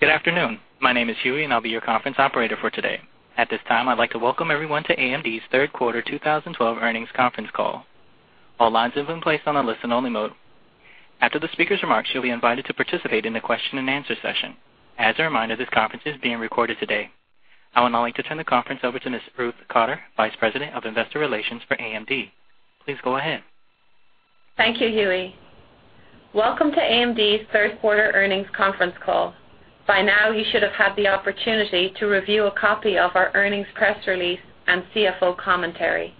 Good afternoon. My name is Huey, and I'll be your conference operator for today. At this time, I'd like to welcome everyone to AMD's third quarter 2012 earnings conference call. All lines have been placed on a listen-only mode. After the speaker's remarks, you'll be invited to participate in the question-and-answer session. As a reminder, this conference is being recorded today. I would now like to turn the conference over to Ms. Ruth Cotter, Vice President of Investor Relations for AMD. Please go ahead. Thank you, Huey. Welcome to AMD's third quarter earnings conference call. By now, you should have had the opportunity to review a copy of our earnings press release and CFO commentary.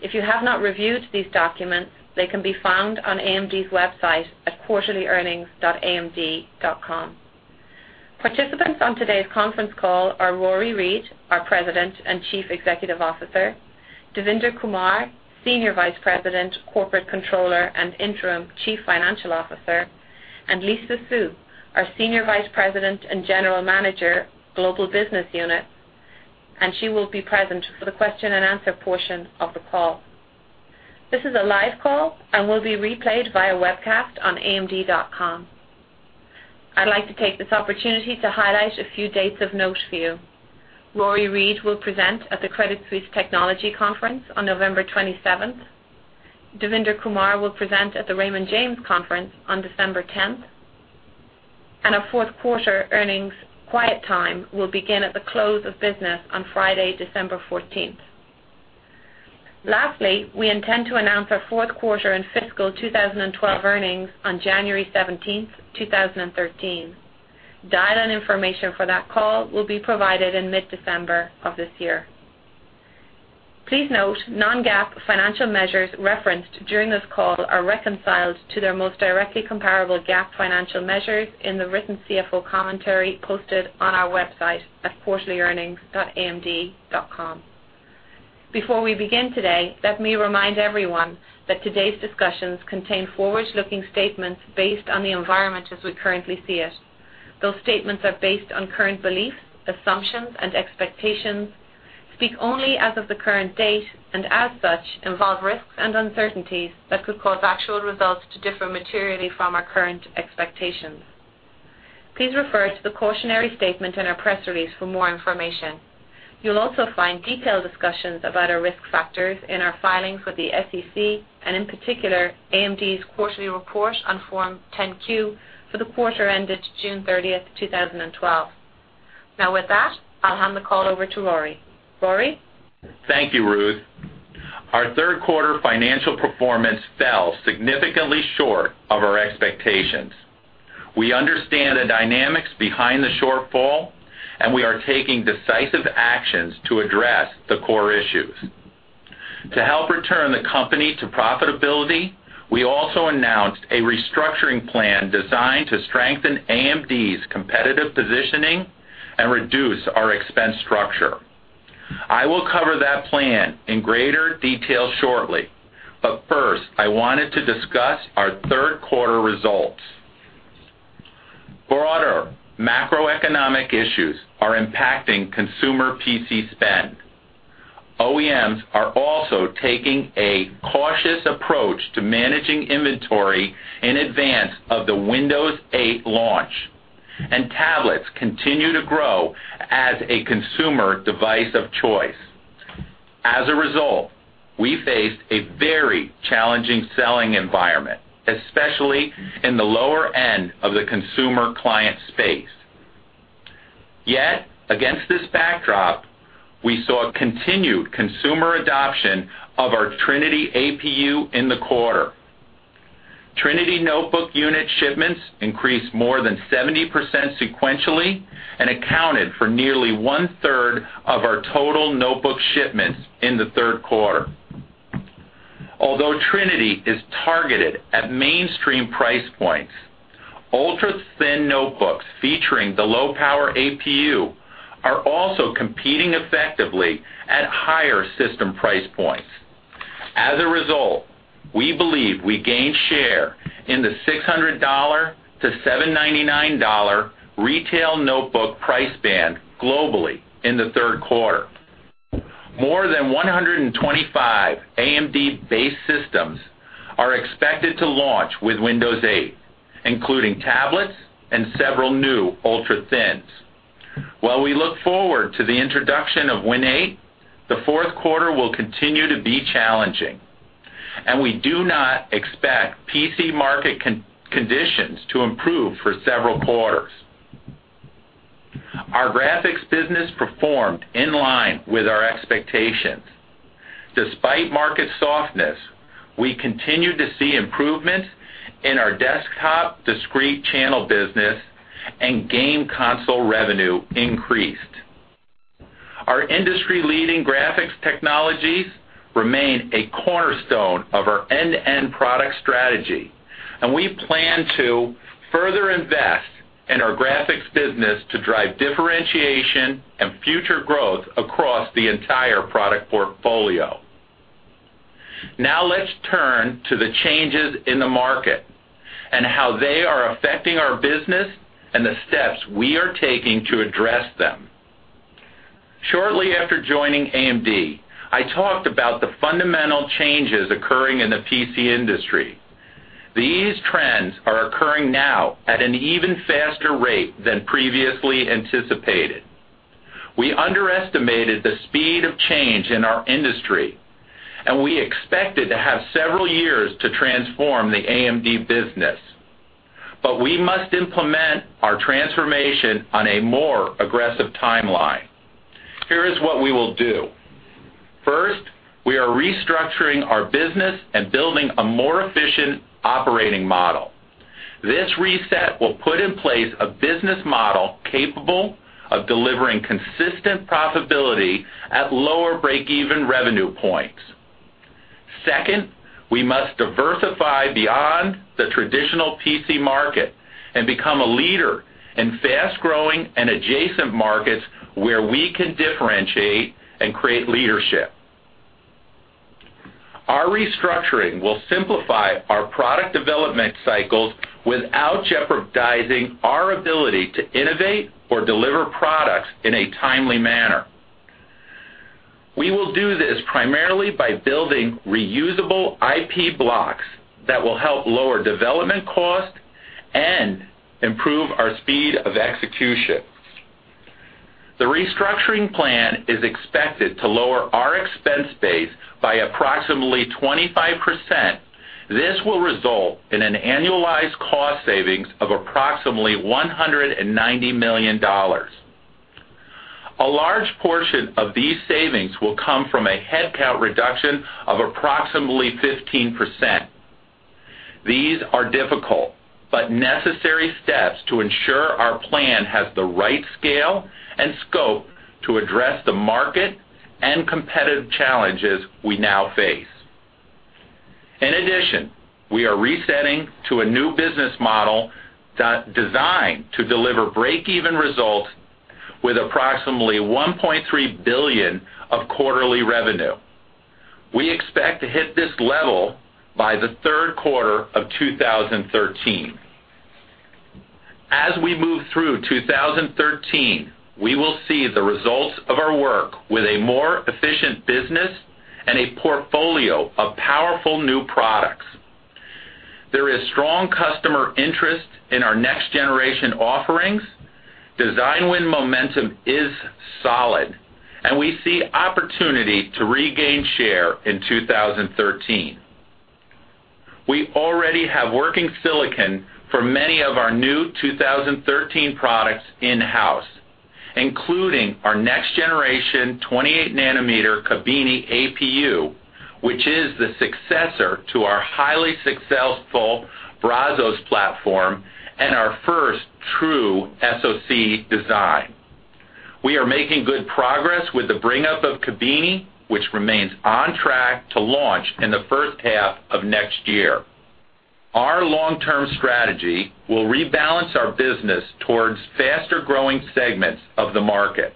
If you have not reviewed these documents, they can be found on AMD's website at quarterlyearnings.amd.com. Participants on today's conference call are Rory Read, our President and Chief Executive Officer, Devinder Kumar, Senior Vice President, Corporate Controller, and interim Chief Financial Officer, and Lisa Su, our Senior Vice President and General Manager, Global Business Unit, and she will be present for the question-and-answer portion of the call. This is a live call and will be replayed via webcast on amd.com. I'd like to take this opportunity to highlight a few dates of note for you. Rory Read will present at the Credit Suisse Technology Conference on November 27th. Devinder Kumar will present at the Raymond James Conference on December 10th, and our fourth quarter earnings quiet time will begin at the close of business on Friday, December 14th. Lastly, we intend to announce our fourth quarter and fiscal 2012 earnings on January 17th, 2013. Dial-in information for that call will be provided in mid-December of this year. Please note, non-GAAP financial measures referenced during this call are reconciled to their most directly comparable GAAP financial measures in the written CFO commentary posted on our website at quarterlyearnings.amd.com. Before we begin today, let me remind everyone that today's discussions contain forward-looking statements based on the environment as we currently see it. Those statements are based on current beliefs, assumptions, and expectations, speak only as of the current date, and as such, involve risks and uncertainties that could cause actual results to differ materially from our current expectations. Please refer to the cautionary statement in our press release for more information. You'll also find detailed discussions about our risk factors in our filings with the SEC and, in particular, AMD's quarterly report on Form 10-Q for the quarter ended June 30th, 2012. Now with that, I'll hand the call over to Rory. Rory? Thank you, Ruth. Our third quarter financial performance fell significantly short of our expectations. We understand the dynamics behind the shortfall, and we are taking decisive actions to address the core issues. To help return the company to profitability, we also announced a restructuring plan designed to strengthen AMD's competitive positioning and reduce our expense structure. I will cover that plan in greater detail shortly, but first, I wanted to discuss our third quarter results. Broader macroeconomic issues are impacting consumer PC spend. OEMs are also taking a cautious approach to managing inventory in advance of the Windows 8 launch, and tablets continue to grow as a consumer device of choice. As a result, we faced a very challenging selling environment, especially in the lower end of the consumer client space. Yet, against this backdrop, we saw continued consumer adoption of our Trinity APU in the quarter. Trinity notebook unit shipments increased more than 70% sequentially and accounted for nearly one-third of our total notebook shipments in the third quarter. Although Trinity is targeted at mainstream price points, ultra-thin notebooks featuring the low-power APU are also competing effectively at higher system price points. As a result, we believe we gained share in the $600-$799 retail notebook price band globally in the third quarter. More than 125 AMD-based systems are expected to launch with Windows 8, including tablets and several new ultra-thins. We look forward to the introduction of Win 8, the fourth quarter will continue to be challenging, and we do not expect PC market conditions to improve for several quarters. Our graphics business performed in line with our expectations. Despite market softness, we continued to see improvements in our desktop discrete channel business and game console revenue increased. Our industry-leading graphics technologies remain a cornerstone of our end-to-end product strategy, and we plan to further invest in our graphics business to drive differentiation and future growth across the entire product portfolio. Now let's turn to the changes in the market and how they are affecting our business and the steps we are taking to address them. Shortly after joining AMD, I talked about the fundamental changes occurring in the PC industry. These trends are occurring now at an even faster rate than previously anticipated. We underestimated the speed of change in our industry, and we expected to have several years to transform the AMD business. We must implement our transformation on a more aggressive timeline. Here is what we will do. First, we are restructuring our business and building a more efficient operating model. This reset will put in place a business model capable of delivering consistent profitability at lower breakeven revenue points. Second, we must diversify beyond the traditional PC market and become a leader in fast-growing and adjacent markets where we can differentiate and create leadership. Our restructuring will simplify our product development cycles without jeopardizing our ability to innovate or deliver products in a timely manner. We will do this primarily by building reusable IP blocks that will help lower development costs and improve our speed of execution. The restructuring plan is expected to lower our expense base by approximately 25%. This will result in an annualized cost savings of approximately $190 million. A large portion of these savings will come from a headcount reduction of approximately 15%. These are difficult but necessary steps to ensure our plan has the right scale and scope to address the market and competitive challenges we now face. In addition, we are resetting to a new business model designed to deliver breakeven results with approximately $1.3 billion of quarterly revenue. We expect to hit this level by the third quarter of 2013. As we move through 2013, we will see the results of our work with a more efficient business and a portfolio of powerful new products. There is strong customer interest in our next-generation offerings. Design win momentum is solid, and we see opportunity to regain share in 2013. We already have working silicon for many of our new 2013 products in-house, including our next-generation 28-nanometer Kabini APU, which is the successor to our highly successful Brazos platform and our first true SoC design. We are making good progress with the bringup of Kabini, which remains on track to launch in the first half of next year. Our long-term strategy will rebalance our business towards faster-growing segments of the market.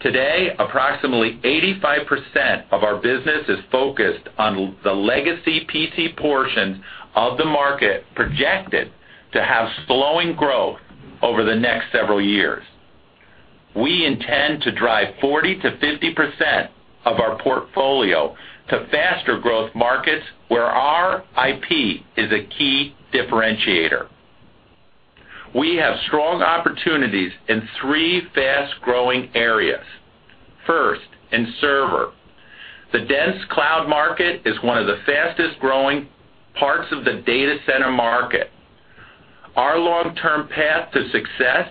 Today, approximately 85% of our business is focused on the legacy PC portion of the market projected to have slowing growth over the next several years. We intend to drive 40%-50% of our portfolio to faster-growth markets where our IP is a key differentiator. We have strong opportunities in three fast-growing areas. First, in server. The dense cloud market is one of the fastest-growing parts of the data center market. Our long-term path to success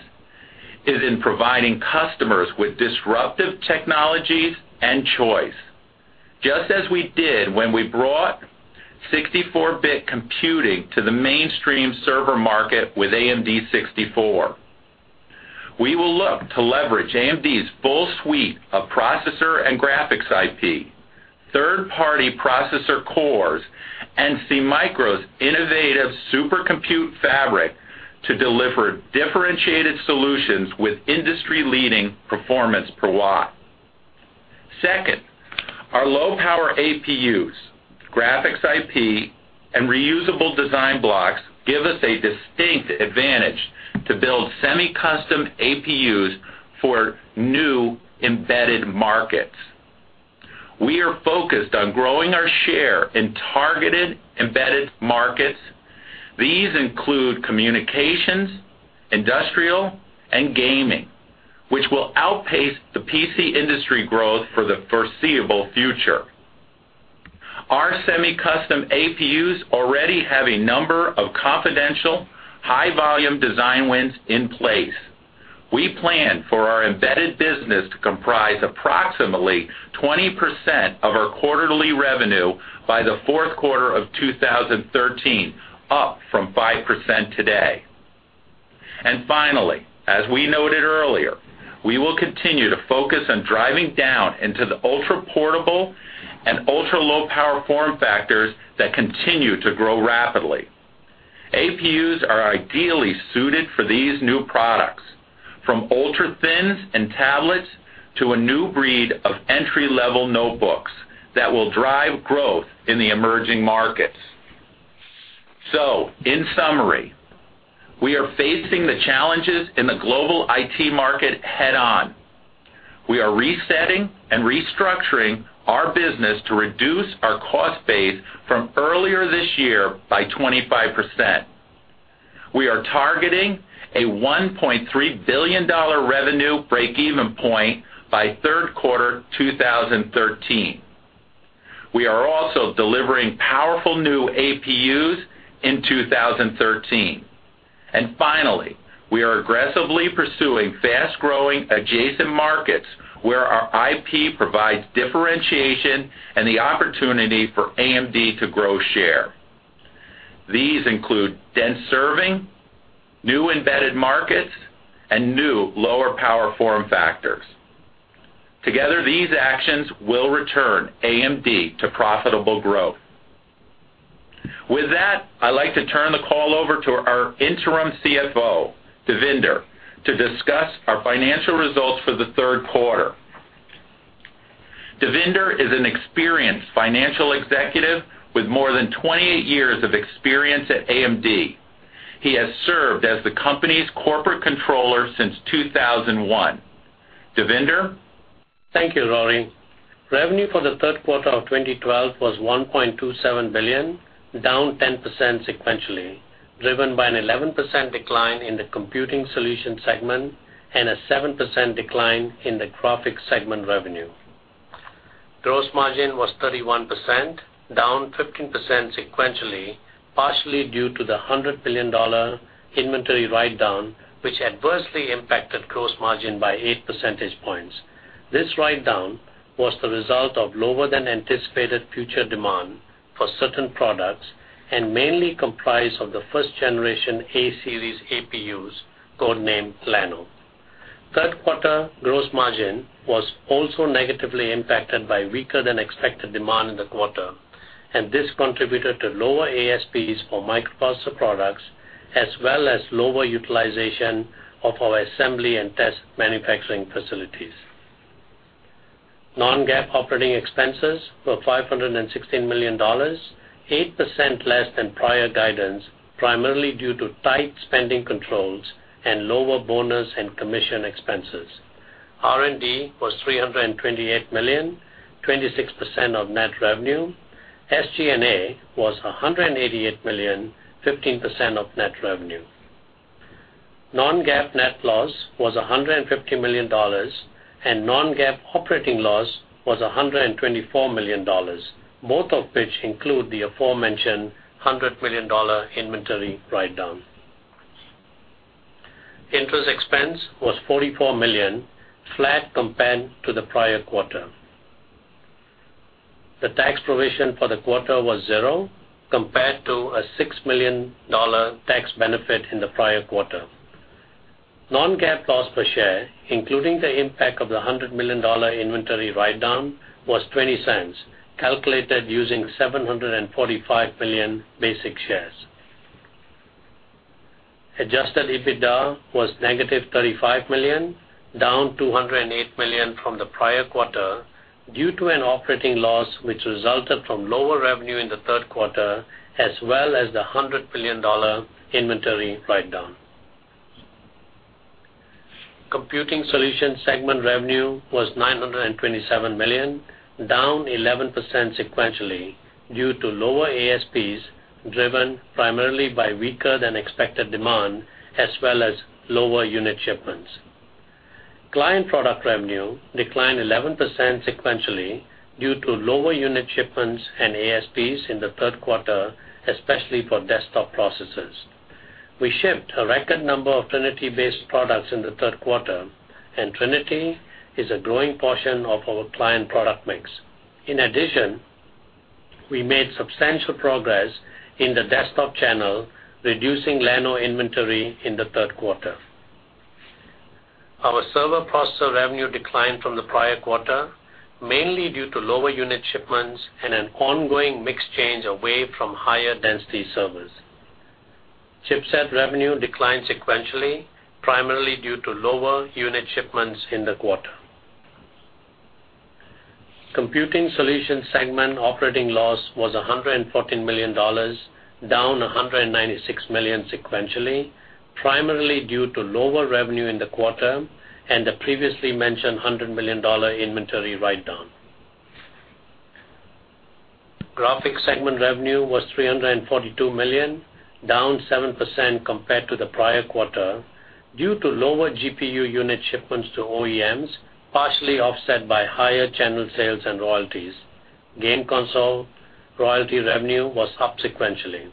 is in providing customers with disruptive technologies and choice, just as we did when we brought 64-bit computing to the mainstream server market with AMD64. We will look to leverage AMD's full suite of processor and graphics IP, third-party processor cores, and SeaMicro's innovative SuperCompute Fabric to deliver differentiated solutions with industry-leading performance per watt. Second, our low-power APUs, graphics IP, and reusable design blocks give us a distinct advantage to build semi-custom APUs for new embedded markets. We are focused on growing our share in targeted embedded markets. These include communications, industrial, and gaming, which will outpace the PC industry growth for the foreseeable future. Our semi-custom APUs already have a number of confidential, high-volume design wins in place. We plan for our embedded business to comprise approximately 20% of our quarterly revenue by the fourth quarter of 2013, up from 5% today. Finally, as we noted earlier, we will continue to focus on driving down into the ultra-portable and ultra-low power form factors that continue to grow rapidly. APUs are ideally suited for these new products, from ultra-thins and tablets to a new breed of entry-level notebooks that will drive growth in the emerging markets. In summary, we are facing the challenges in the global IT market head on. We are resetting and restructuring our business to reduce our cost base from earlier this year by 25%. We are targeting a $1.3 billion revenue breakeven point by third quarter 2013. We are also delivering powerful new APUs in 2013. Finally, we are aggressively pursuing fast-growing adjacent markets where our IP provides differentiation and the opportunity for AMD to grow share. These include dense serving, new embedded markets, and new lower power form factors. Together, these actions will return AMD to profitable growth. With that, I'd like to turn the call over to our interim CFO, Devinder, to discuss our financial results for the third quarter. Devinder is an experienced financial executive with more than 28 years of experience at AMD. He has served as the company's corporate controller since 2001. Devinder? Thank you, Rory. Revenue for the third quarter of 2012 was $1.27 billion, down 10% sequentially, driven by an 11% decline in the Computing Solution segment and a 7% decline in the graphics segment revenue. Gross margin was 31%, down 15% sequentially, partially due to the $100 million inventory write-down, which adversely impacted gross margin by eight percentage points. This write-down was the result of lower than anticipated future demand for certain products and mainly comprised of the first generation A-Series APUs, code-named Llano. Third quarter gross margin was also negatively impacted by weaker than expected demand in the quarter. This contributed to lower ASPs for microprocessor products, as well as lower utilization of our assembly and test manufacturing facilities. Non-GAAP operating expenses were $516 million, 8% less than prior guidance, primarily due to tight spending controls and lower bonus and commission expenses. R&D was $328 million, 26% of net revenue. SG&A was $188 million, 15% of net revenue. Non-GAAP net loss was $150 million, and non-GAAP operating loss was $124 million, both of which include the aforementioned $100 million inventory write-down. Interest expense was $44 million, flat compared to the prior quarter. The tax provision for the quarter was zero, compared to a $6 million tax benefit in the prior quarter. Non-GAAP loss per share, including the impact of the $100 million inventory write-down, was $0.20, calculated using 745 million basic shares. Adjusted EBITDA was negative $35 million, down $208 million from the prior quarter due to an operating loss, which resulted from lower revenue in the third quarter, as well as the $100 million inventory write-down. Computing solution segment revenue was $927 million, down 11% sequentially due to lower ASPs, driven primarily by weaker than expected demand, as well as lower unit shipments. Client product revenue declined 11% sequentially due to lower unit shipments and ASPs in the third quarter, especially for desktop processors. We shipped a record number of Trinity-based products in the third quarter, and Trinity is a growing portion of our client product mix. In addition, we made substantial progress in the desktop channel, reducing Llano inventory in the third quarter. Our server processor revenue declined from the prior quarter, mainly due to lower unit shipments and an ongoing mix change away from higher density servers. Chipset revenue declined sequentially, primarily due to lower unit shipments in the quarter. Computing Solution Segment operating loss was $114 million, down $196 million sequentially, primarily due to lower revenue in the quarter and the previously mentioned $100 million inventory write-down. Graphics segment revenue was $342 million, down 7% compared to the prior quarter due to lower GPU unit shipments to OEMs, partially offset by higher channel sales and royalties. Game console royalty revenue was up sequentially.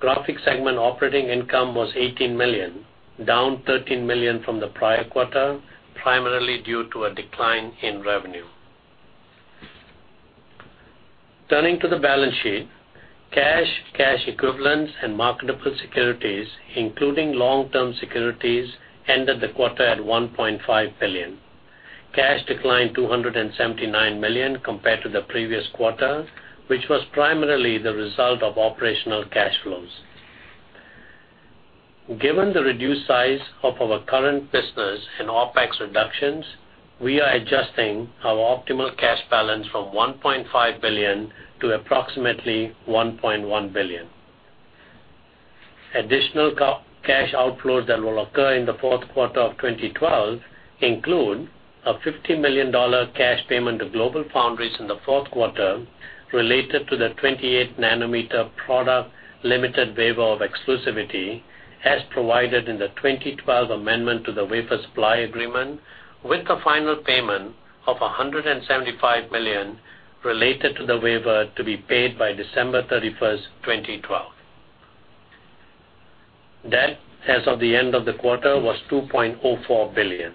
Graphics segment operating income was $18 million, down $13 million from the prior quarter, primarily due to a decline in revenue. Turning to the balance sheet, cash equivalents, and marketable securities, including long-term securities, ended the quarter at $1.5 billion. Cash declined $279 million compared to the previous quarter, which was primarily the result of operational cash flows. Given the reduced size of our current business and OpEx reductions, we are adjusting our optimal cash balance from $1.5 billion to approximately $1.1 billion. Additional cash outflows that will occur in the fourth quarter of 2012 include a $50 million cash payment to GlobalFoundries in the fourth quarter related to the 28-nanometer product limited waiver of exclusivity, as provided in the 2012 amendment to the wafer supply agreement, with the final payment of $175 million related to the waiver to be paid by December 31st, 2012. Debt as of the end of the quarter was $2.04 billion.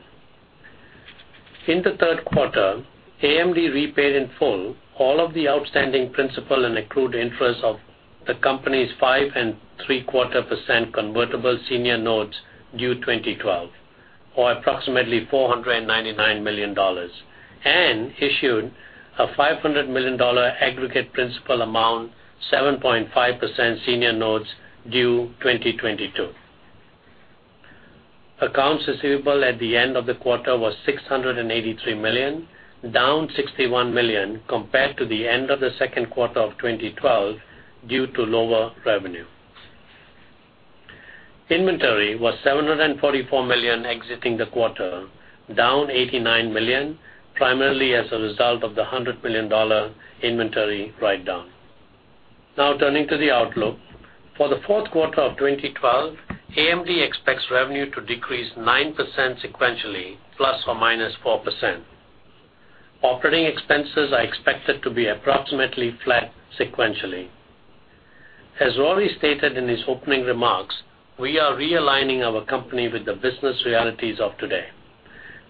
In the third quarter, AMD repaid in full all of the outstanding principal and accrued interest of the company's 5.75% convertible senior notes due 2012, or approximately $499 million, and issued a $500 million aggregate principal amount, 7.5% senior notes due 2022. Accounts receivable at the end of the quarter was $683 million, down $61 million compared to the end of the second quarter of 2012 due to lower revenue. Inventory was $744 million exiting the quarter, down $89 million, primarily as a result of the $100 million inventory write-down. Turning to the outlook. For the fourth quarter of 2012, AMD expects revenue to decrease 9% sequentially, ±4%. Operating expenses are expected to be approximately flat sequentially. As Rory stated in his opening remarks, we are realigning our company with the business realities of today.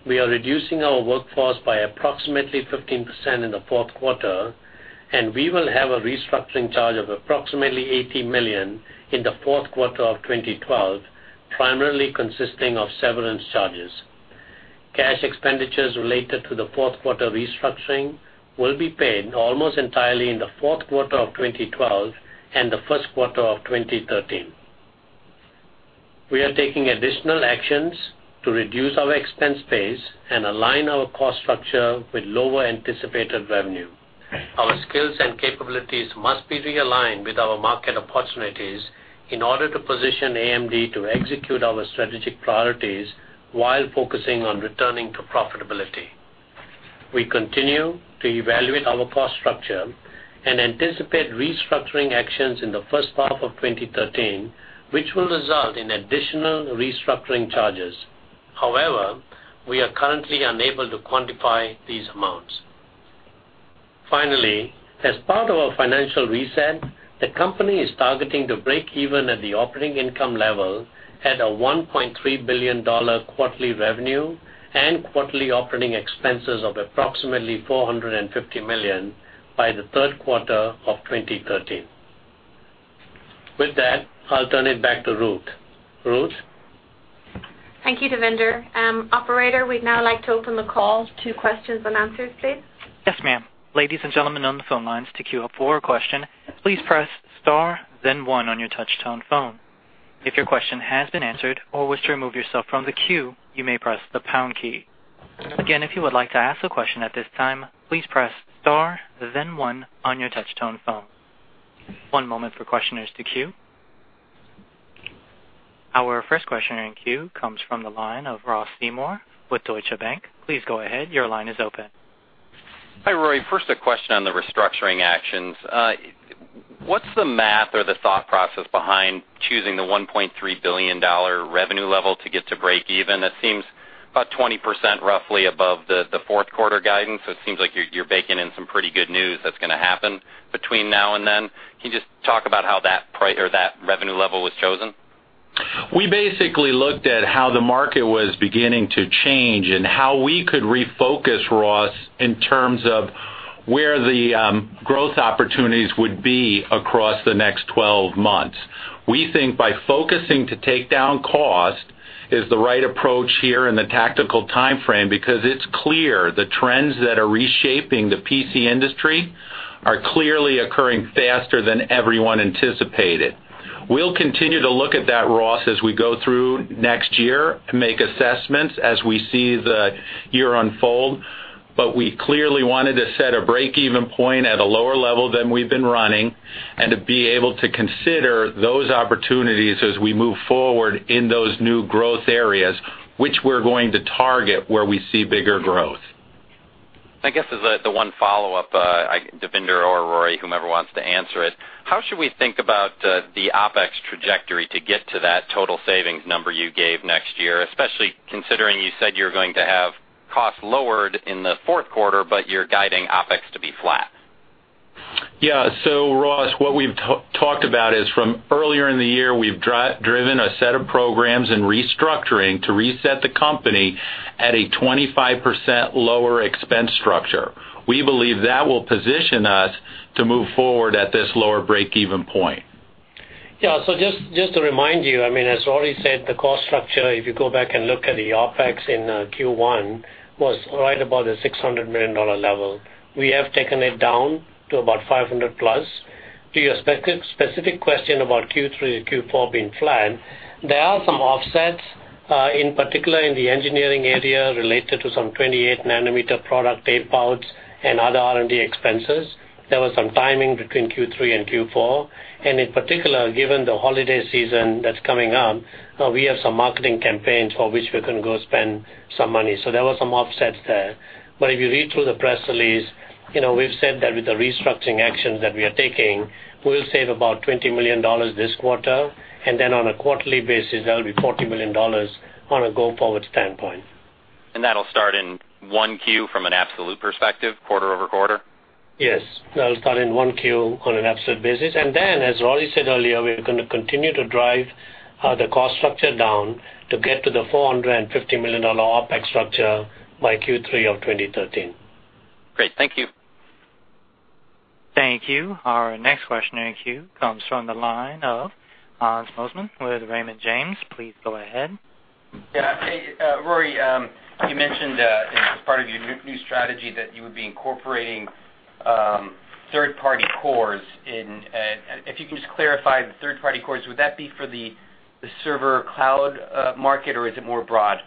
We are reducing our workforce by approximately 15% in the fourth quarter, and we will have a restructuring charge of approximately $18 million in the fourth quarter of 2012, primarily consisting of severance charges. Cash expenditures related to the fourth quarter restructuring will be paid almost entirely in the fourth quarter of 2012 and the first quarter of 2013. We are taking additional actions to reduce our expense base and align our cost structure with lower anticipated revenue. Our skills and capabilities must be realigned with our market opportunities in order to position AMD to execute our strategic priorities, while focusing on returning to profitability. We continue to evaluate our cost structure and anticipate restructuring actions in the first half of 2013, which will result in additional restructuring charges. We are currently unable to quantify these amounts. As part of our financial reset, the company is targeting to break even at the operating income level at a $1.3 billion quarterly revenue and quarterly operating expenses of approximately $450 million by the third quarter of 2013. With that, I'll turn it back to Ruth. Ruth? Thank you, Devinder. Operator, we'd now like to open the call to questions and answers, please. Yes, ma'am. Ladies and gentlemen on the phone lines, to queue up for a question, please press star then one on your touch tone phone. If your question has been answered or was to remove yourself from the queue, you may press the pound key. Again, if you would like to ask a question at this time, please press star then one on your touch tone phone. One moment for questioners to queue. Our first questioner in queue comes from the line of Ross Seymore with Deutsche Bank. Please go ahead. Your line is open. Hi, Rory. First a question on the restructuring actions. What's the math or the thought process behind choosing the $1.3 billion revenue level to get to break even? It seems about 20% roughly above the fourth quarter guidance. It seems like you're baking in some pretty good news that's going to happen between now and then. Can you just talk about how that revenue level was chosen? We basically looked at how the market was beginning to change and how we could refocus, Ross, in terms of where the growth opportunities would be across the next 12 months. We think by focusing to take down cost is the right approach here in the tactical timeframe because it's clear the trends that are reshaping the PC industry are clearly occurring faster than everyone anticipated. We'll continue to look at that, Ross, as we go through next year and make assessments as we see the year unfold, we clearly wanted to set a break-even point at a lower level than we've been running and to be able to consider those opportunities as we move forward in those new growth areas, which we're going to target where we see bigger growth. I guess as the one follow-up, Devinder or Rory, whomever wants to answer it, how should we think about the OpEx trajectory to get to that total savings number you gave next year? Especially considering you said you're going to have costs lowered in the fourth quarter, you're guiding OpEx to be flat. Ross, what we've talked about is from earlier in the year, we've driven a set of programs and restructuring to reset the company at a 25% lower expense structure. We believe that will position us to move forward at this lower break-even point. Just to remind you, as Rory said, the cost structure, if you go back and look at the OpEx in Q1, was right about the $600 million level. We have taken it down to about 500-plus. To your specific question about Q3 or Q4 being flat, there are some offsets, in particular in the engineering area related to some 28-nanometer product tape outs and other R&D expenses. There was some timing between Q3 and Q4, and in particular, given the holiday season that's coming up, we have some marketing campaigns for which we're going to go spend some money. There were some offsets there. If you read through the press release, we've said that with the restructuring actions that we are taking, we'll save about $20 million this quarter, and then on a quarterly basis, that'll be $40 million on a go-forward standpoint. That'll start in one Q from an absolute perspective, quarter-over-quarter? Yes. That'll start in one Q on an absolute basis. Then, as Rory said earlier, we're going to continue to drive the cost structure down to get to the $450 million OpEx structure by Q3 of 2013. Great. Thank you. Thank you. Our next question in the queue comes from the line of Hans Mosesmann with Raymond James. Please go ahead. Yeah. Hey, Rory, you mentioned as part of your new strategy that you would be incorporating third-party cores in. If you can just clarify the third-party cores, would that be for the server cloud market, or is it more broad?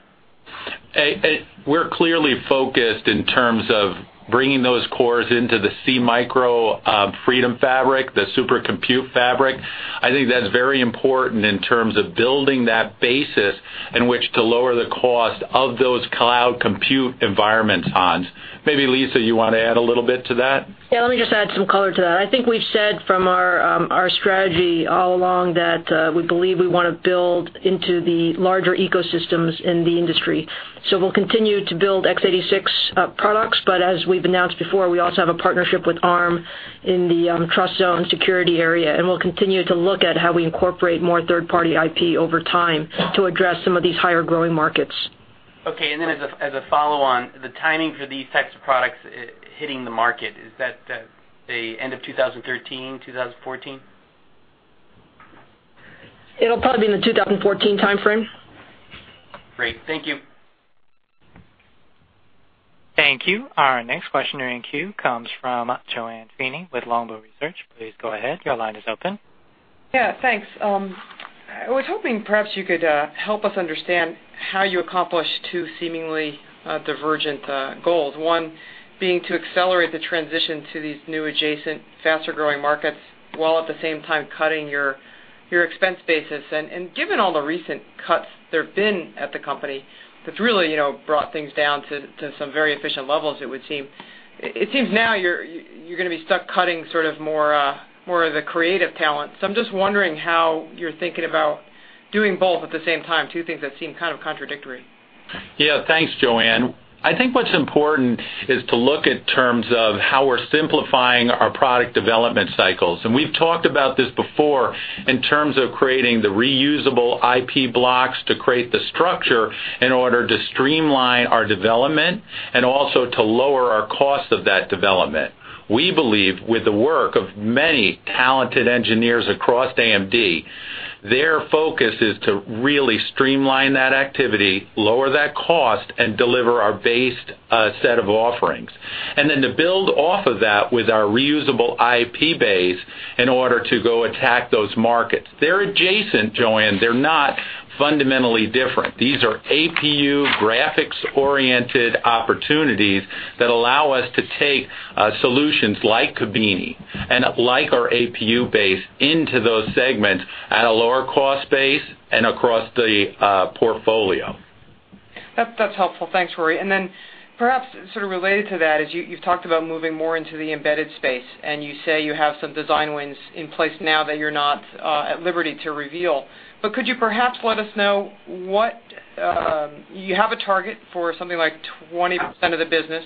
We're clearly focused in terms of bringing those cores into the SeaMicro Freedom Fabric, the Supercompute Fabric. I think that's very important in terms of building that basis in which to lower the cost of those cloud compute environments, Hans. Maybe, Lisa, you want to add a little bit to that? Yeah, let me just add some color to that. I think we've said from our strategy all along that we believe we want to build into the larger ecosystems in the industry. We'll continue to build x86 products. As we've announced before, we also have a partnership with Arm in the TrustZone security area. We'll continue to look at how we incorporate more third-party IP over time to address some of these higher growing markets. Okay, as a follow-on, the timing for these types of products hitting the market, is that the end of 2013, 2014? It'll probably be in the 2014 timeframe. Great. Thank you. Thank you. Our next question in the queue comes from JoAnne Feeney with Longbow Research. Please go ahead. Your line is open. Yeah, thanks. I was hoping perhaps you could help us understand how you accomplish two seemingly divergent goals, one being to accelerate the transition to these new adjacent faster-growing markets, while at the same time cutting your expense basis. Given all the recent cuts there've been at the company, that's really brought things down to some very efficient levels, it would seem. It seems now you're going to be stuck cutting more of the creative talent. I'm just wondering how you're thinking about doing both at the same time, two things that seem kind of contradictory. Yeah. Thanks, JoAnne. I think what's important is to look at terms of how we're simplifying our product development cycles. We've talked about this before in terms of creating the reusable IP blocks to create the structure in order to streamline our development and also to lower our cost of that development. We believe with the work of many talented engineers across AMD, their focus is to really streamline that activity, lower that cost, and deliver our base set of offerings. Then to build off of that with our reusable IP base in order to go attack those markets. They're adjacent, JoAnne. They're not fundamentally different. These are APU graphics-oriented opportunities that allow us to take solutions like Kabini and like our APU base into those segments at a lower cost base and across the portfolio. That's helpful. Thanks, Rory. Then perhaps related to that is you've talked about moving more into the embedded space, and you say you have some design wins in place now that you're not at liberty to reveal. Could you perhaps let us know, you have a target for something like 20% of the business.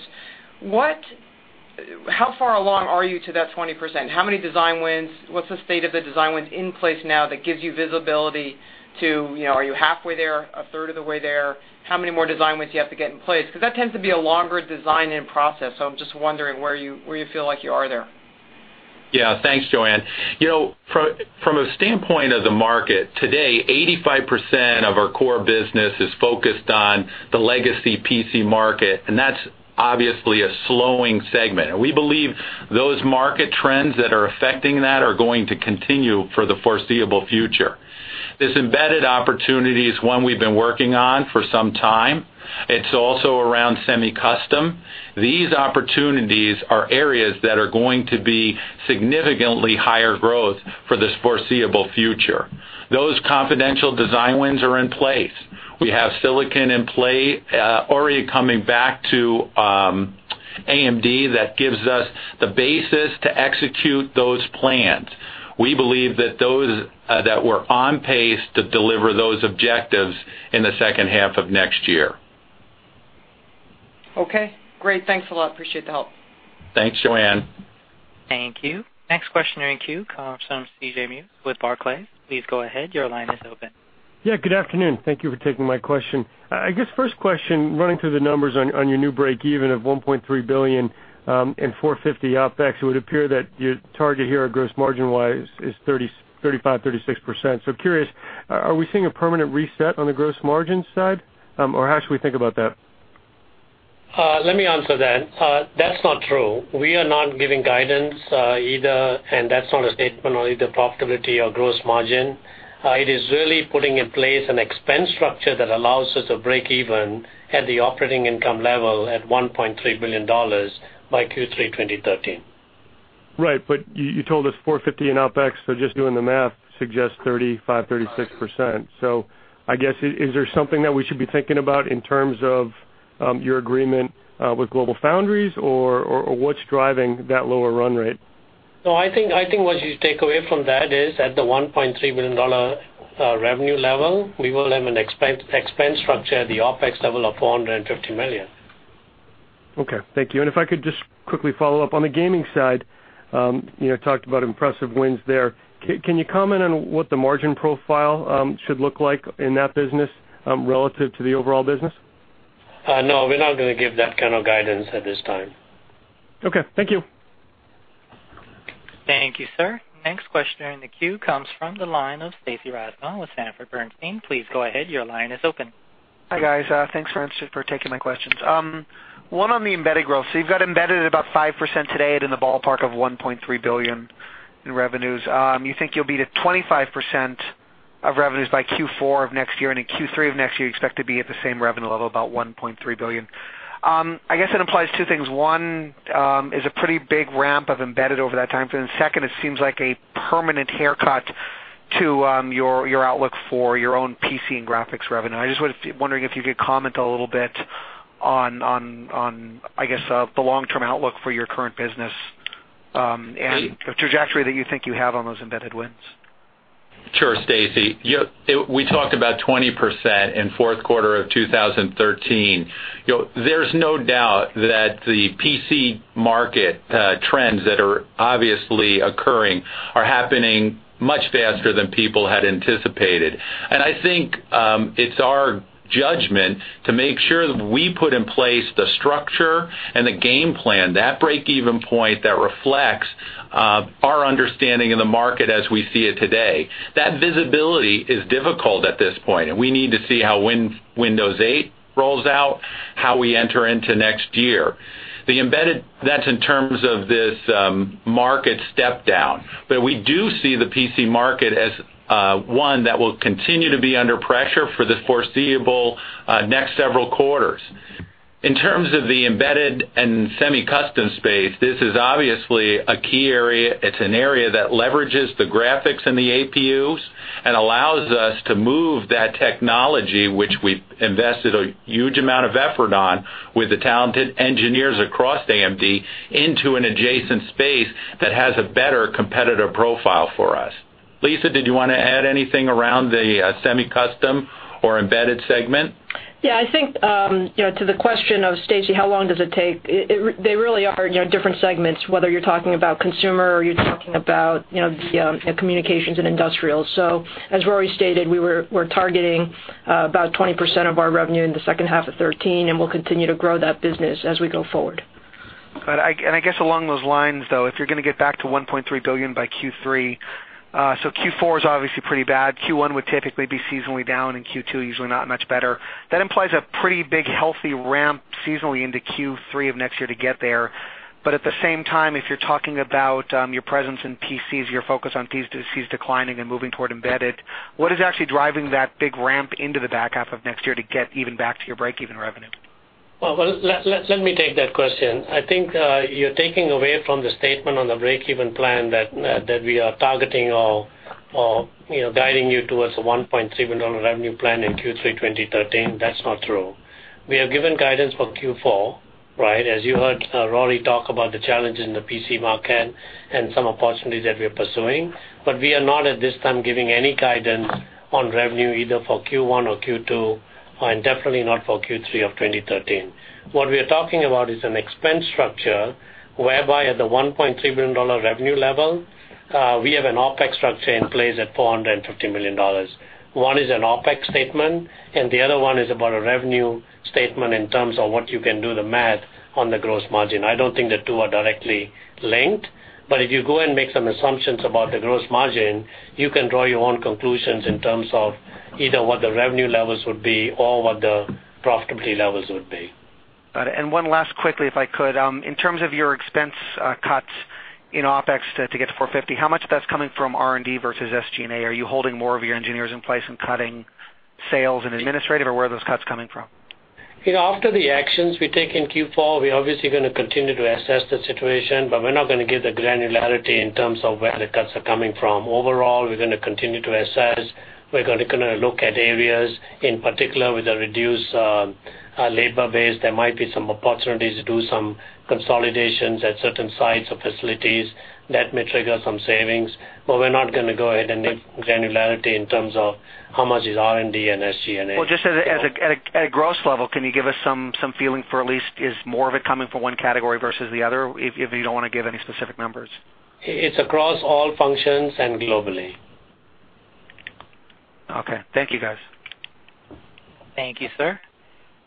How far along are you to that 20%? How many design wins? What's the state of the design wins in place now that gives you visibility to are you halfway there, a third of the way there? How many more design wins you have to get in place? Because that tends to be a longer design-in process, so I'm just wondering where you feel like you are there. Thanks, JoAnne. From a standpoint of the market, today, 85% of our core business is focused on the legacy PC market, that's obviously a slowing segment. We believe those market trends that are affecting that are going to continue for the foreseeable future. This embedded opportunity is one we've been working on for some time. It's also around semi-custom. These opportunities are areas that are going to be significantly higher growth for this foreseeable future. Those confidential design wins are in place. We have silicon in play already coming back to AMD that gives us the basis to execute those plans. We believe that we're on pace to deliver those objectives in the second half of next year. Okay, great. Thanks a lot. Appreciate the help. Thanks, JoAnne. Thank you. Next question in the queue comes from C.J. Muse with Barclays. Please go ahead. Your line is open. Yeah, good afternoon. Thank you for taking my question. I guess first question, running through the numbers on your new breakeven of $1.3 billion and $450 OpEx, it would appear that your target here gross margin-wise is 35%-36%. Curious, are we seeing a permanent reset on the gross margin side? Or how should we think about that? Let me answer that. That's not true. We are not giving guidance either, and that's not a statement on either profitability or gross margin. It is really putting in place an expense structure that allows us to break even at the operating income level at $1.3 billion by Q3 2013. Right, you told us $450 in OpEx, just doing the math suggests 35%-36%. I guess, is there something that we should be thinking about in terms of your agreement with GlobalFoundries, or what's driving that lower run rate? No, I think what you take away from that is, at the $1.3 billion revenue level, we will have an expense structure at the OpEx level of $450 million. Okay. Thank you. If I could just quickly follow up, on the gaming side, you talked about impressive wins there. Can you comment on what the margin profile should look like in that business relative to the overall business? No, we're not going to give that kind of guidance at this time. Okay, thank you. Thank you, sir. Next question in the queue comes from the line of Stacy Rasgon with Sanford Bernstein. Please go ahead. Your line is open. Hi, guys. Thanks for taking my questions. One on the embedded growth. You've got embedded at about 5% today at in the ballpark of $1.3 billion in revenues. You think you'll be to 25% of revenues by Q4 of next year. In Q3 of next year, you expect to be at the same revenue level, about $1.3 billion. I guess it implies two things. One is a pretty big ramp of embedded over that time. Second, it seems like a permanent haircut to your outlook for your own PC and graphics revenue. I just was wondering if you could comment a little bit on, I guess, the long-term outlook for your current business, and the trajectory that you think you have on those embedded wins. Sure, Stacy Rasgon. We talked about 20% in fourth quarter of 2013. There's no doubt that the PC market trends that are obviously occurring are happening much faster than people had anticipated. I think it's our judgment to make sure that we put in place the structure and the game plan, that break-even point that reflects our understanding of the market as we see it today. That visibility is difficult at this point, and we need to see how Windows 8 rolls out, how we enter into next year. The embedded, that's in terms of this market step down. We do see the PC market as one that will continue to be under pressure for the foreseeable next several quarters. In terms of the embedded and semi-custom space, this is obviously a key area. It's an area that leverages the graphics and the APUs and allows us to move that technology, which we've invested a huge amount of effort on with the talented engineers across AMD, into an adjacent space that has a better competitive profile for us. Lisa Su, did you want to add anything around the semi-custom or embedded segment? Yeah, I think to the question of Stacy Rasgon, how long does it take? They really are different segments, whether you're talking about consumer or you're talking about communications and industrials. As Rory Read stated, we're targeting about 20% of our revenue in the second half of 2013, and we'll continue to grow that business as we go forward. I guess along those lines, though, if you're going to get back to $1.3 billion by Q3, Q4 is obviously pretty bad. Q1 would typically be seasonally down, and Q2, usually not much better. That implies a pretty big, healthy ramp seasonally into Q3 of next year to get there. At the same time, if you're talking about your presence in PCs, your focus on PCs declining and moving toward embedded, what is actually driving that big ramp into the back half of next year to get even back to your break-even revenue? Well, let me take that question. I think you're taking away from the statement on the break-even plan that we are targeting or guiding you towards a $1.3 billion revenue plan in Q3 2013. That's not true. We have given guidance for Q4. As you heard Rory talk about the challenge in the PC market and some opportunities that we are pursuing. We are not, at this time, giving any guidance on revenue either for Q1 or Q2, and definitely not for Q3 of 2013. What we are talking about is an expense structure whereby at the $1.3 billion revenue level, we have an OpEx structure in place at $450 million. One is an OpEx statement, and the other one is about a revenue statement in terms of what you can do the math on the gross margin. I don't think the two are directly linked, if you go and make some assumptions about the gross margin, you can draw your own conclusions in terms of either what the revenue levels would be or what the profitability levels would be. Got it. One last quickly, if I could. In terms of your expense cuts in OpEx to get to $450, how much of that's coming from R&D versus SG&A? Are you holding more of your engineers in place and cutting sales and administrative, or where are those cuts coming from? After the actions we take in Q4, we're obviously going to continue to assess the situation, but we're not going to give the granularity in terms of where the cuts are coming from. Overall, we're going to continue to assess. We're going to look at areas, in particular with a reduced labor base. There might be some opportunities to do some consolidations at certain sites or facilities. That may trigger some savings, but we're not going to go ahead and give granularity in terms of how much is R&D and SG&A. Well, just at a gross level, can you give us some feeling for at least is more of it coming from one category versus the other, if you don't want to give any specific numbers? It's across all functions and globally. Okay. Thank you, guys. Thank you, sir.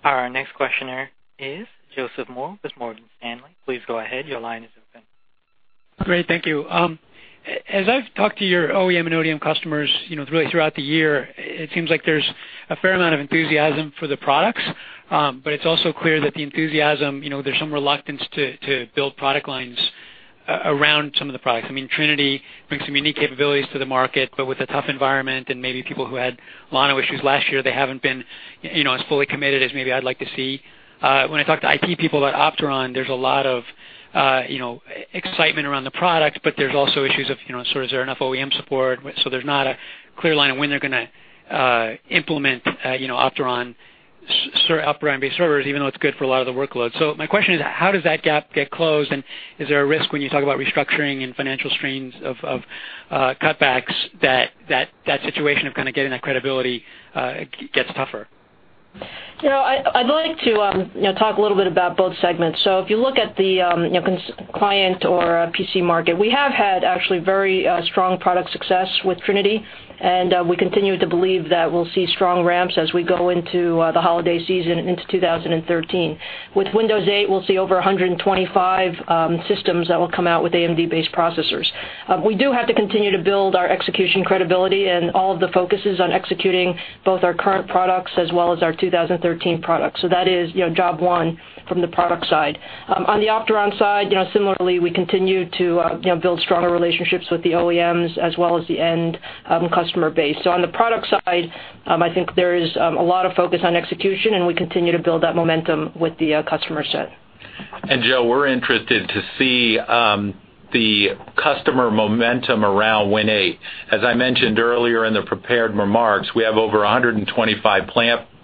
Our next questioner is Joseph Moore with Morgan Stanley. Please go ahead. Your line is open Great. Thank you. As I've talked to your OEM and ODM customers really throughout the year, it seems like there's a fair amount of enthusiasm for the products. It's also clear that the enthusiasm, there's some reluctance to build product lines around some of the products. Trinity brings some unique capabilities to the market, but with a tough environment and maybe people who had a lot of issues last year, they haven't been as fully committed as maybe I'd like to see. When I talk to IT people about Opteron, there's a lot of excitement around the product, but there's also issues of, is there enough OEM support? There's not a clear line of when they're going to implement Opteron-based servers, even though it's good for a lot of the workloads. My question is, how does that gap get closed? Is there a risk when you talk about restructuring and financial strains of cutbacks that situation of getting that credibility gets tougher? I'd like to talk a little bit about both segments. If you look at the client or PC market, we have had actually very strong product success with Trinity, and we continue to believe that we'll see strong ramps as we go into the holiday season into 2013. With Windows 8, we'll see over 125 systems that will come out with AMD-based processors. We do have to continue to build our execution credibility, and all of the focus is on executing both our current products as well as our 2013 products. That is job one from the product side. On the Opteron side, similarly, we continue to build stronger relationships with the OEMs as well as the end customer base. On the product side, I think there is a lot of focus on execution, and we continue to build that momentum with the customer set. Joe, we're interested to see the customer momentum around Win 8. As I mentioned earlier in the prepared remarks, we have over 125 platforms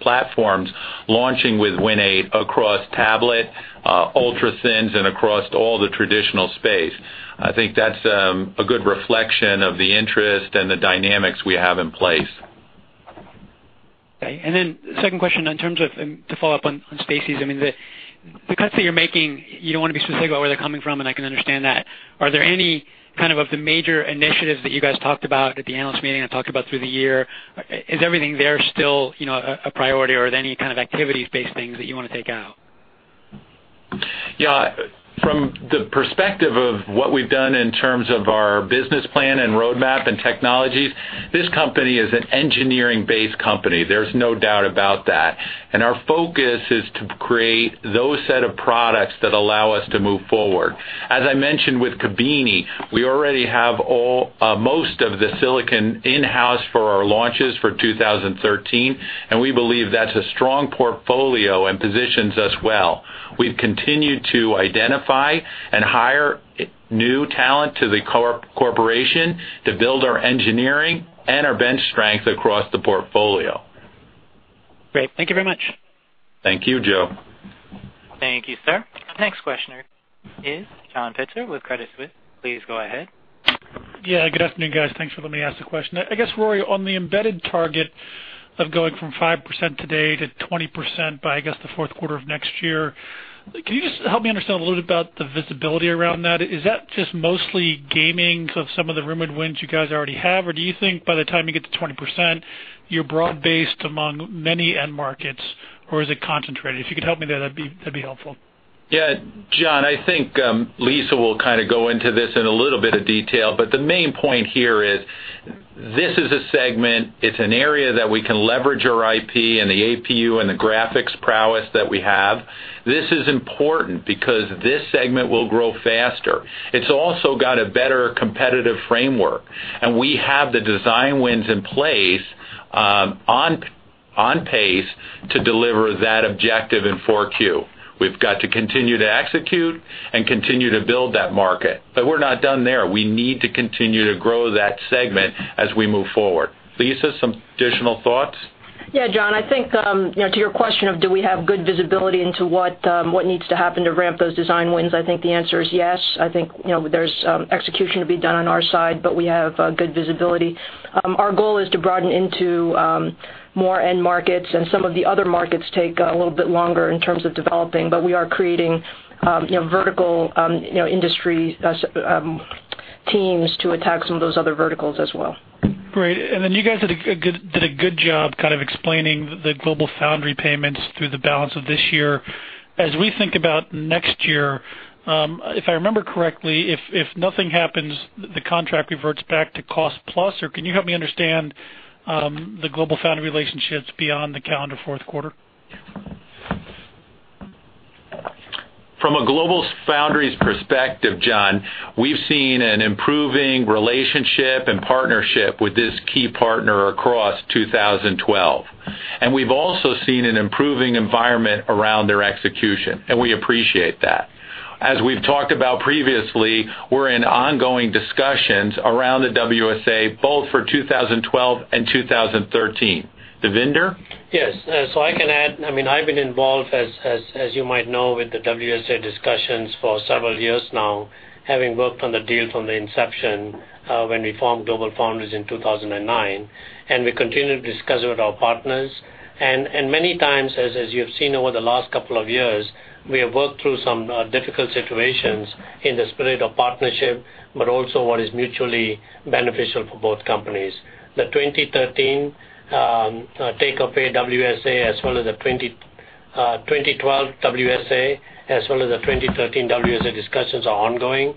launching with Win 8 across tablet, ultra-thin, and across all the traditional space. I think that's a good reflection of the interest and the dynamics we have in place. Okay. Second question to follow up on Stacy's, the cuts that you're making, you don't want to be specific about where they're coming from, and I can understand that. Are there any of the major initiatives that you guys talked about at the analyst meeting and talked about through the year, is everything there still a priority, or are there any activity-based things that you want to take out? Yeah. From the perspective of what we've done in terms of our business plan and roadmap and technologies, this company is an engineering-based company. There's no doubt about that. Our focus is to create those set of products that allow us to move forward. As I mentioned with Kabini, we already have most of the silicon in-house for our launches for 2013, and we believe that's a strong portfolio and positions us well. We've continued to identify and hire new talent to the corporation to build our engineering and our bench strength across the portfolio. Great. Thank you very much. Thank you, Joseph. Thank you, sir. The next questioner is John Pitzer with Credit Suisse. Please go ahead. Good afternoon, guys. Thanks for letting me ask the question. I guess, Rory, on the embedded target of going from 5% today to 20% by, I guess, the fourth quarter of next year, can you just help me understand a little bit about the visibility around that? Is that just mostly gaming of some of the rumored wins you guys already have? Or do you think by the time you get to 20%, you're broad-based among many end markets? Or is it concentrated? If you could help me there, that'd be helpful. John, I think Lisa will go into this in a little bit of detail, but the main point here is this is a segment, it's an area that we can leverage our IP and the APU and the graphics prowess that we have. This is important because this segment will grow faster. It's also got a better competitive framework, and we have the design wins in place, on pace to deliver that objective in 4Q. We've got to continue to execute and continue to build that market. We're not done there. We need to continue to grow that segment as we move forward. Lisa, some additional thoughts? John, I think, to your question of do we have good visibility into what needs to happen to ramp those design wins, I think the answer is yes. I think there's execution to be done on our side, but we have good visibility. Our goal is to broaden into more end markets, some of the other markets take a little bit longer in terms of developing. We are creating vertical industry teams to attack some of those other verticals as well. Great. You guys did a good job explaining the GlobalFoundries payments through the balance of this year. As we think about next year, if I remember correctly, if nothing happens, the contract reverts back to cost plus? Can you help me understand the GlobalFoundries relationships beyond the calendar fourth quarter? From a GlobalFoundries perspective, John, we've seen an improving relationship and partnership with this key partner across 2012. We've also seen an improving environment around their execution, and we appreciate that. As we've talked about previously, we're in ongoing discussions around the WSA, both for 2012 and 2013. Devinder? Yes. I can add, I've been involved, as you might know, with the WSA discussions for several years now, having worked on the deal from the inception when we formed GlobalFoundries in 2009. We continue to discuss with our partners. Many times, as you have seen over the last couple of years, we have worked through some difficult situations in the spirit of partnership, but also what is mutually beneficial for both companies. The 2013 take-up WSA, as well as the 20- 2012 WSA, as well as the 2013 WSA discussions are ongoing.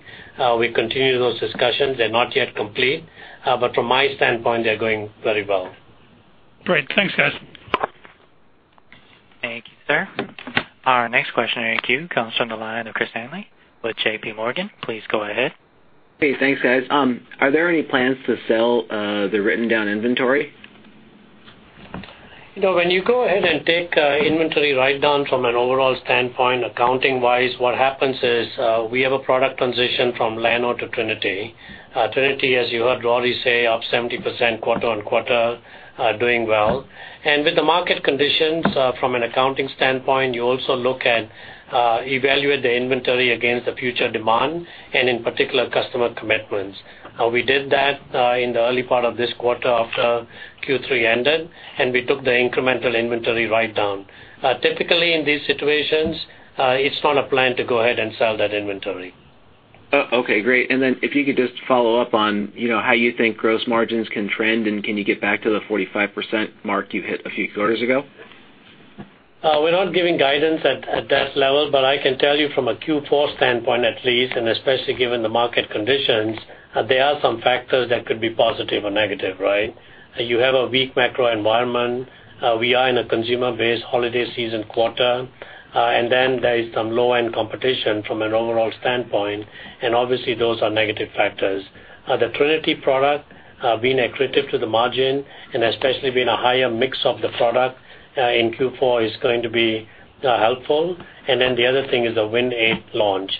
We continue those discussions. They're not yet complete, but from my standpoint, they're going very well. Great. Thanks, guys. Thank you, sir. Our next question in our queue comes from the line of Christopher Danely with JP Morgan. Please go ahead. Hey, thanks, guys. Are there any plans to sell the written-down inventory? When you go ahead and take inventory write-down from an overall standpoint, accounting-wise, what happens is, we have a product transition from Llano to Trinity. Trinity, as you heard Rory say, up 70% quarter-on-quarter, doing well. With the market conditions, from an accounting standpoint, you also evaluate the inventory against the future demand and in particular, customer commitments. We did that in the early part of this quarter after Q3 ended, and we took the incremental inventory write-down. Typically, in these situations, it's not a plan to go ahead and sell that inventory. Oh, okay, great. Then if you could just follow up on how you think gross margins can trend, and can you get back to the 45% mark you hit a few quarters ago? We're not giving guidance at that level, but I can tell you from a Q4 standpoint at least, especially given the market conditions, there are some factors that could be positive or negative, right? You have a weak macro environment. We are in a consumer-based holiday season quarter. Then there is some low-end competition from an overall standpoint, obviously those are negative factors. The Trinity product being accretive to the margin especially with a higher mix of the product, in Q4 is going to be helpful. Then the other thing is the Win 8 launch.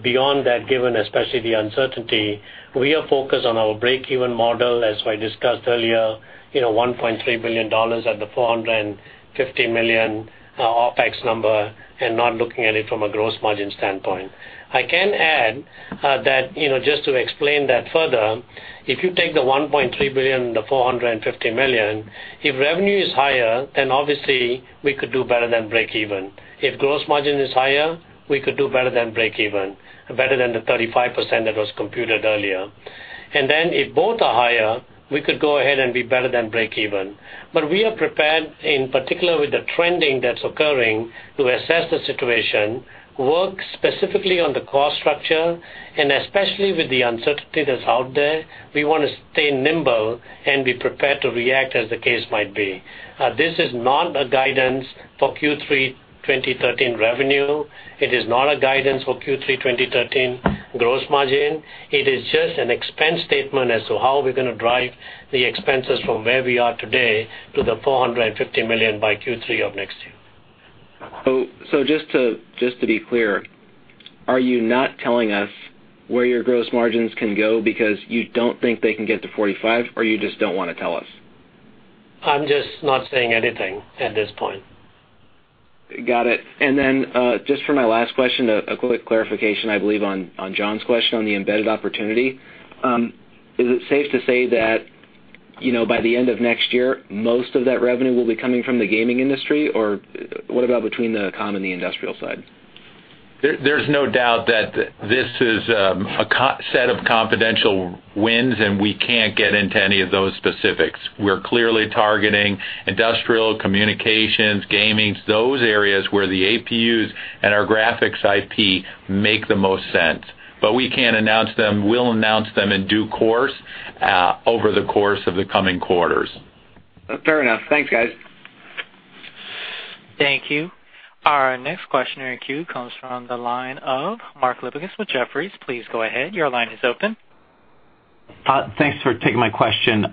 Beyond that, given especially the uncertainty, we are focused on our break-even model, as I discussed earlier, $1.3 billion at the $450 million OpEx number and not looking at it from a gross margin standpoint. I can add that, just to explain that further, if you take the $1.3 billion and the $450 million, if revenue is higher, obviously we could do better than break even. If gross margin is higher, we could do better than break even, better than the 35% that was computed earlier. Then if both are higher, we could go ahead and be better than break even. We are prepared, in particular with the trending that's occurring, to assess the situation, work specifically on the cost structure, especially with the uncertainty that's out there, we want to stay nimble and be prepared to react as the case might be. This is not a guidance for Q3 2013 revenue. It is not a guidance for Q3 2013 gross margin. It is just an expense statement as to how we're going to drive the expenses from where we are today to the $450 million by Q3 of next year. Just to be clear, are you not telling us where your gross margins can go because you don't think they can get to 45%, or you just don't want to tell us? I'm just not saying anything at this point. Got it. Just for my last question, a quick clarification, I believe, on John's question on the embedded opportunity. Is it safe to say that, by the end of next year, most of that revenue will be coming from the gaming industry, or what about between the comm and the industrial side? There's no doubt that this is a set of confidential wins, and we can't get into any of those specifics. We're clearly targeting industrial communications, gaming, those areas where the APUs and our graphics IP make the most sense. We can't announce them. We'll announce them in due course, over the course of the coming quarters. Fair enough. Thanks, guys. Thank you. Our next question in our queue comes from the line of Mark Lipacis with Jefferies. Please go ahead. Your line is open. Thanks for taking my question.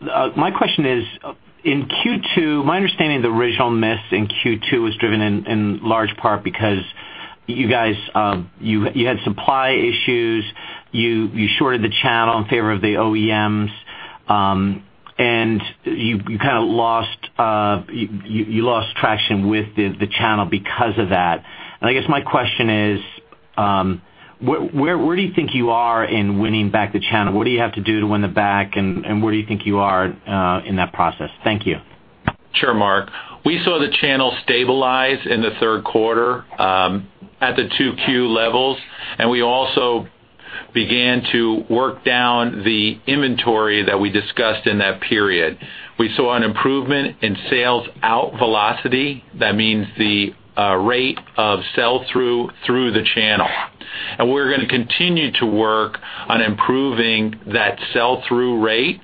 My question is, in Q2, my understanding of the original miss in Q2 was driven in large part because you had supply issues, you shorted the channel in favor of the OEMs, and you lost traction with the channel because of that. I guess my question is, where do you think you are in winning back the channel? What do you have to do to win them back, and where do you think you are in that process? Thank you. Sure, Mark. We saw the channel stabilize in the third quarter, at the 2Q levels, and we also began to work down the inventory that we discussed in that period. We saw an improvement in sales out velocity. That means the rate of sell-through through the channel. We're going to continue to work on improving that sell-through rate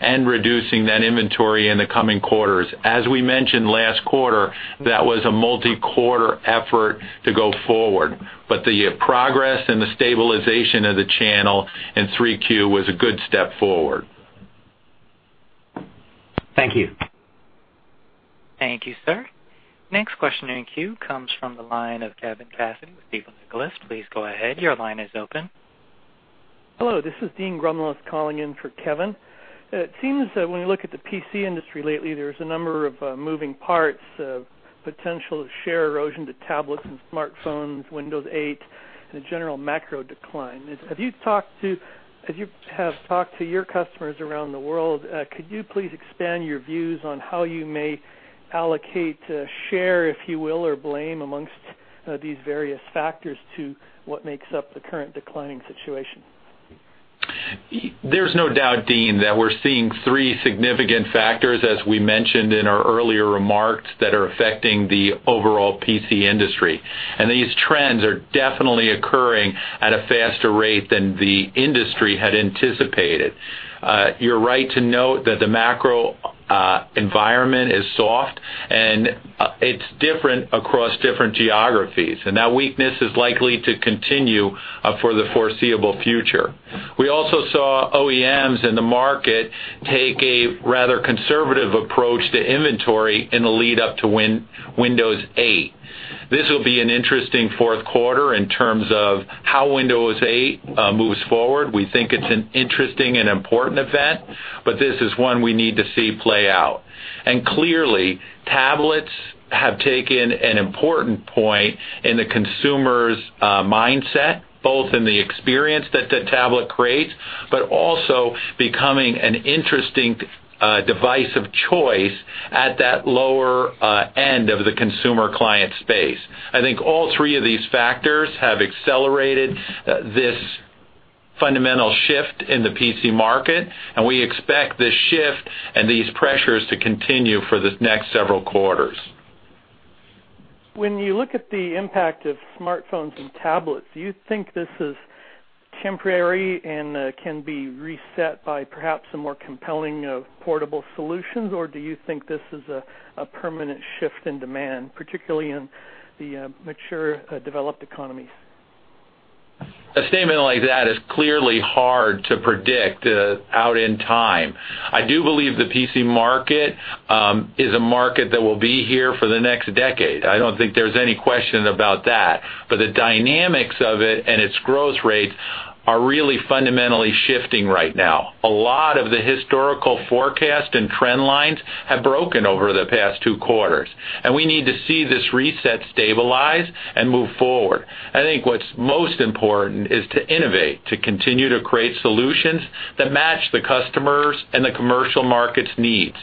and reducing that inventory in the coming quarters. As we mentioned last quarter, that was a multi-quarter effort to go forward. The progress and the stabilization of the channel in 3Q was a good step forward. Thank you. Thank you, sir. Next question in queue comes from the line of Kevin Cassidy with Stifel Nicolaus. Please go ahead. Your line is open. Hello, this is Dean Grumlose calling in for Kevin. It seems that when you look at the PC industry lately, there's a number of moving parts of potential share erosion to tablets and smartphones, Windows 8, and a general macro decline. As you have talked to your customers around the world, could you please expand your views on how you may allocate share, if you will, or blame amongst these various factors to what makes up the current declining situation? There's no doubt, Dean, that we're seeing three significant factors, as we mentioned in our earlier remarks, that are affecting the overall PC industry. These trends are definitely occurring at a faster rate than the industry had anticipated. You're right to note that the macro environment is soft, and it's different across different geographies, and that weakness is likely to continue for the foreseeable future. We also saw OEMs in the market take a rather conservative approach to inventory in the lead up to Windows 8. This will be an interesting fourth quarter in terms of how Windows 8 moves forward. We think it's an interesting and important event, but this is one we need to see play out. Clearly, tablets have taken an important point in the consumer's mindset, both in the experience that the tablet creates, but also becoming an interesting device of choice at that lower end of the consumer client space. I think all three of these factors have accelerated this fundamental shift in the PC market, and we expect this shift and these pressures to continue for the next several quarters. When you look at the impact of smartphones and tablets, do you think this is temporary and can be reset by perhaps some more compelling portable solutions? Do you think this is a permanent shift in demand, particularly in the mature developed economies? A statement like that is clearly hard to predict out in time. I do believe the PC market is a market that will be here for the next decade. I don't think there's any question about that. The dynamics of it and its growth rates are really fundamentally shifting right now. A lot of the historical forecast and trend lines have broken over the past two quarters, and we need to see this reset stabilize and move forward. I think what's most important is to innovate, to continue to create solutions that match the customers and the commercial market's needs.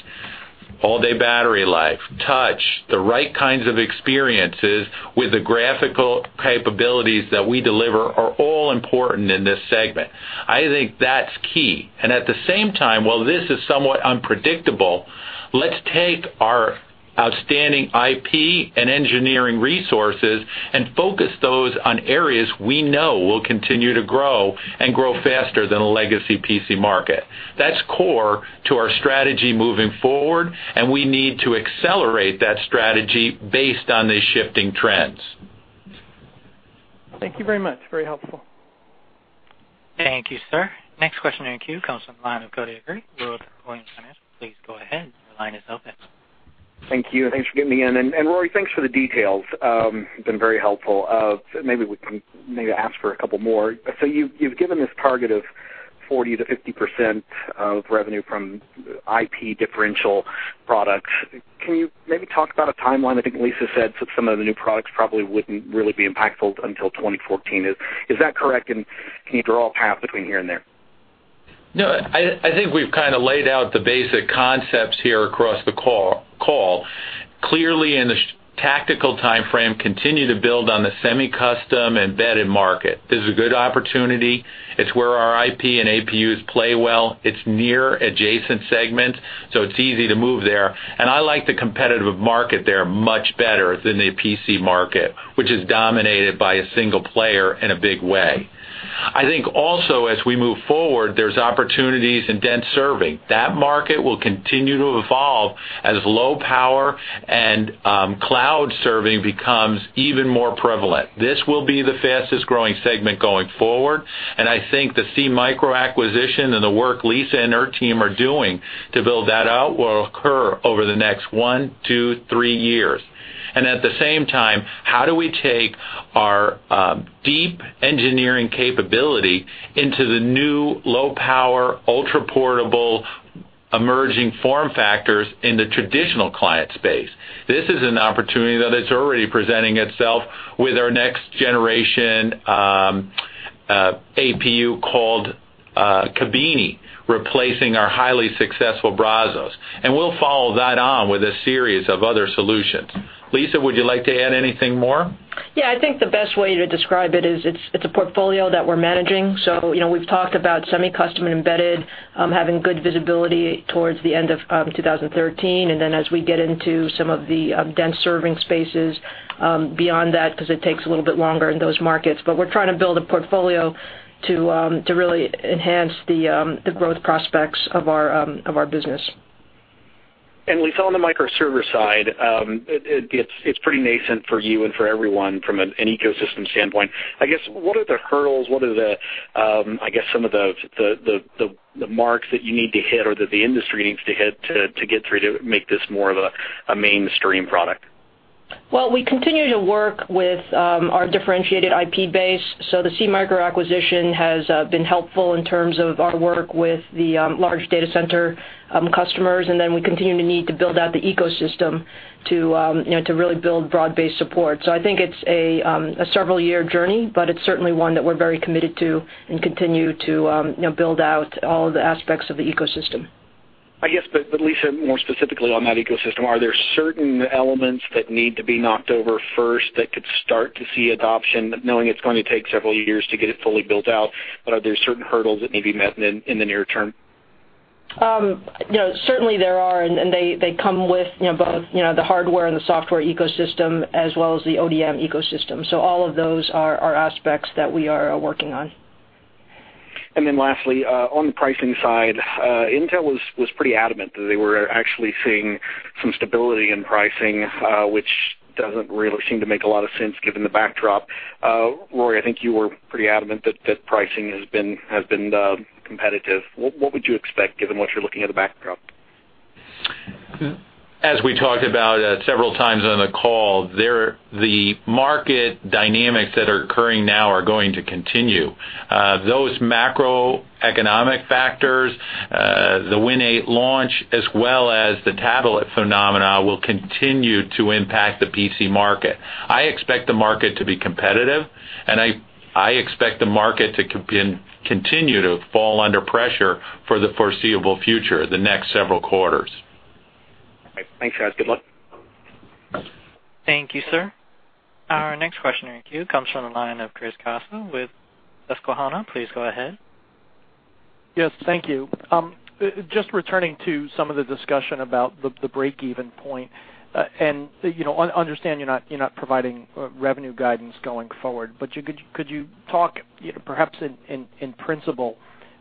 All-day battery life, touch, the right kinds of experiences with the graphical capabilities that we deliver are all important in this segment. I think that's key. At the same time, while this is somewhat unpredictable, let's take our outstanding IP and engineering resources and focus those on areas we know will continue to grow and grow faster than a legacy PC market. That's core to our strategy moving forward, and we need to accelerate that strategy based on these shifting trends. Thank you very much. Very helpful. Thank you, sir. Next question in queue comes from the line of Tristan Gerra, Robert W. Baird. Please go ahead. Your line is open. Thank you. Thanks for getting me in. Rory, thanks for the details. Been very helpful. Maybe I ask for a couple more. You've given this target of 40%-50% of revenue from IP differential products. Can you maybe talk about a timeline? I think Lisa said some of the new products probably wouldn't really be impactful until 2014. Is that correct? Can you draw a path between here and there? No, I think we've laid out the basic concepts here across the call. Clearly, in the tactical timeframe, continue to build on the semi-custom embedded market. This is a good opportunity. It's where our IP and APUs play well. It's near adjacent segment, so it's easy to move there. I like the competitive market there much better than the PC market, which is dominated by a single player in a big way. I think also as we move forward, there's opportunities in dense serving. That market will continue to evolve as low power and cloud serving becomes even more prevalent. This will be the fastest-growing segment going forward, and I think the SeaMicro acquisition and the work Lisa and her team are doing to build that out will occur over the next one, two, three years. At the same time, how do we take our deep engineering capability into the new low-power, ultra-portable, emerging form factors in the traditional client space? This is an opportunity that is already presenting itself with our next generation APU called Kabini, replacing our highly successful Brazos. We'll follow that on with a series of other solutions. Lisa, would you like to add anything more? Yeah, I think the best way to describe it is it's a portfolio that we're managing. We've talked about semi-custom and embedded, having good visibility towards the end of 2013, and then as we get into some of the dense serving spaces beyond that, because it takes a little bit longer in those markets. We're trying to build a portfolio to really enhance the growth prospects of our business. Lisa, on the microserver side, it's pretty nascent for you and for everyone from an ecosystem standpoint. I guess, what are the hurdles? What are the, I guess, some of the marks that you need to hit or that the industry needs to hit to get through to make this more of a mainstream product? We continue to work with our differentiated IP base. The SeaMicro acquisition has been helpful in terms of our work with the large data center customers, and then we continue to need to build out the ecosystem to really build broad-based support. I think it's a several-year journey, but it's certainly one that we're very committed to and continue to build out all the aspects of the ecosystem. I guess, Lisa, more specifically on that ecosystem, are there certain elements that need to be knocked over first that could start to see adoption, knowing it's going to take several years to get it fully built out? Are there certain hurdles that need to be met in the near term? Certainly there are, and they come with both the hardware and the software ecosystem as well as the ODM ecosystem. All of those are aspects that we are working on. Lastly, on the pricing side, Intel was pretty adamant that they were actually seeing some stability in pricing, which doesn't really seem to make a lot of sense given the backdrop. Rory, I think you were pretty adamant that pricing has been competitive. What would you expect given what you're looking at the backdrop? As we talked about several times on the call, the market dynamics that are occurring now are going to continue. Those macroeconomic factors, the Windows 8 launch, as well as the tablet phenomena, will continue to impact the PC market. I expect the market to be competitive, and I expect the market to continue to fall under pressure for the foreseeable future, the next several quarters. Okay. Thanks, guys. Good luck. Thank you, sir. Our next question in queue comes from the line of Chris Caso with Susquehanna. Please go ahead. Yes, thank you. Just returning to some of the discussion about the break-even point, understand you're not providing revenue guidance going forward. Could you talk perhaps in principle,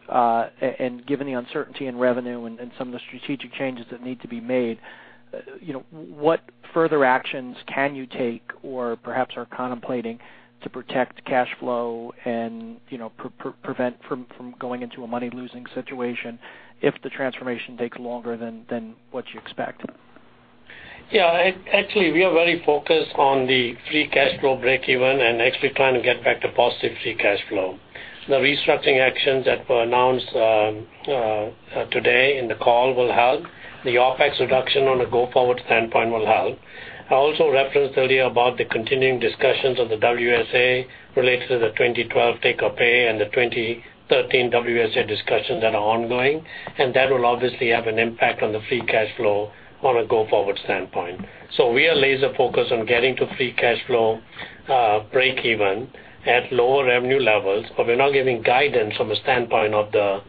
and given the uncertainty in revenue and some of the strategic changes that need to be made, what further actions can you take or perhaps are contemplating to protect cash flow and prevent from going into a money-losing situation if the transformation takes longer than what you expect? Actually, we are very focused on the free cash flow breakeven and actually trying to get back to positive free cash flow. The restructuring actions that were announced today in the call will help. The OpEx reduction on a go-forward standpoint will help. I also referenced earlier about the continuing discussions of the WSA related to the 2012 take or pay and the 2013 WSA discussions that are ongoing, and that will obviously have an impact on the free cash flow on a go-forward standpoint. We are laser-focused on getting to free cash flow breakeven at lower revenue levels, but we're not giving guidance from a standpoint of the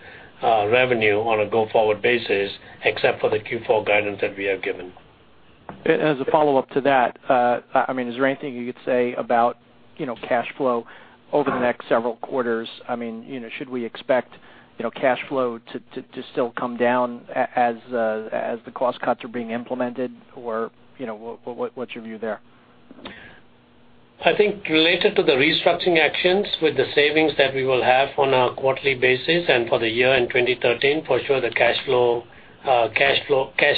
revenue on a go-forward basis, except for the Q4 guidance that we have given. As a follow-up to that, is there anything you could say about cash flow over the next several quarters? Should we expect cash flow to still come down as the cost cuts are being implemented? Or what's your view there? I think related to the restructuring actions, with the savings that we will have on a quarterly basis and for the year in 2013, for sure the cash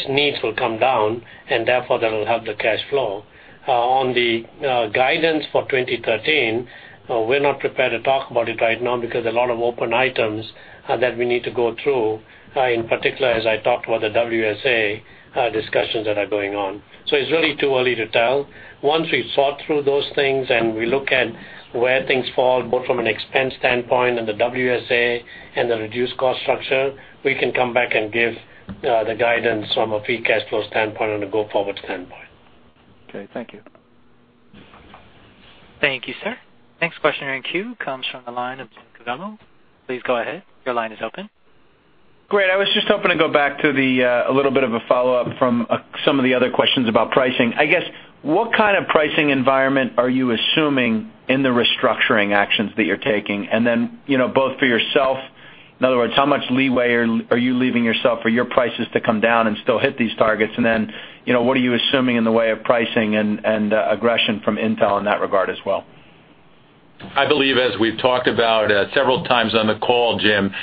needs will come down, and therefore, that will help the cash flow. On the guidance for 2013, we're not prepared to talk about it right now because a lot of open items that we need to go through, in particular, as I talked about the WSA discussions that are going on. It's really too early to tell. Once we sort through those things and we look at where things fall, both from an expense standpoint and the WSA and the reduced cost structure, we can come back and give the guidance from a free cash flow standpoint on a go-forward standpoint. Okay, thank you. Thank you, sir. Next question in queue comes from the line of Jim Covello. Please go ahead. Your line is open. Great. I was just hoping to go back to the, a little bit of a follow-up from some of the other questions about pricing. I guess, what kind of pricing environment are you assuming in the restructuring actions that you're taking? Both for yourself, in other words, how much leeway are you leaving yourself for your prices to come down and still hit these targets? What are you assuming in the way of pricing and aggression from Intel in that regard as well? I believe as we've talked about several times on the call, Jim,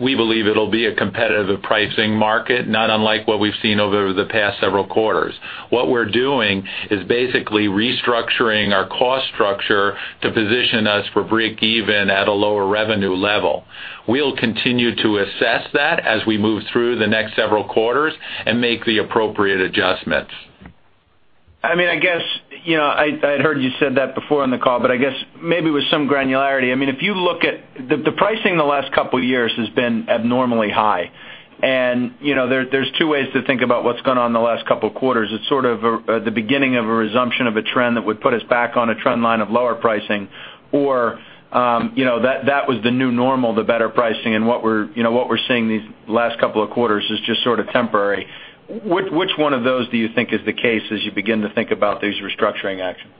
we believe it'll be a competitive pricing market, not unlike what we've seen over the past several quarters. What we're doing is basically restructuring our cost structure to position us for break even at a lower revenue level. We'll continue to assess that as we move through the next several quarters and make the appropriate adjustments. I had heard you said that before on the call, I guess maybe with some granularity. The pricing the last couple of years has been abnormally high, there's two ways to think about what's gone on the last couple of quarters. It's sort of the beginning of a resumption of a trend that would put us back on a trend line of lower pricing, that was the new normal, the better pricing, what we're seeing these last couple of quarters is just sort of temporary. Which one of those do you think is the case as you begin to think about these restructuring actions?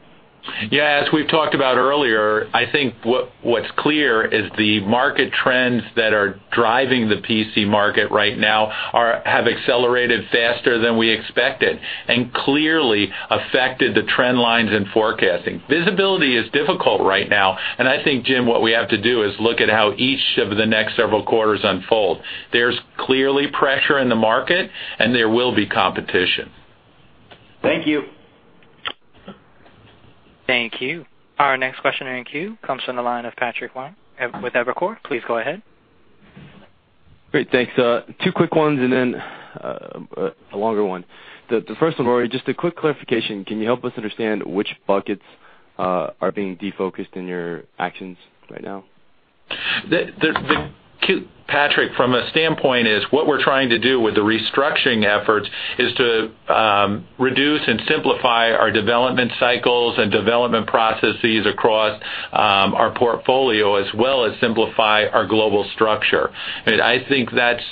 Yeah. As we've talked about earlier, I think what's clear is the market trends that are driving the PC market right now have accelerated faster than we expected and clearly affected the trend lines and forecasting. Visibility is difficult right now, and I think, Jim, what we have to do is look at how each of the next several quarters unfold. There's clearly pressure in the market, and there will be competition. Thank you. Thank you. Our next question in queue comes from the line of Patrick Wang with Evercore. Please go ahead. Great, thanks. Two quick ones and then a longer one. The first of all, just a quick clarification, can you help us understand which buckets are being defocused in your actions right now? Patrick, from a standpoint is what we're trying to do with the restructuring efforts is to reduce and simplify our development cycles and development processes across our portfolio, as well as simplify our global structure. I think that's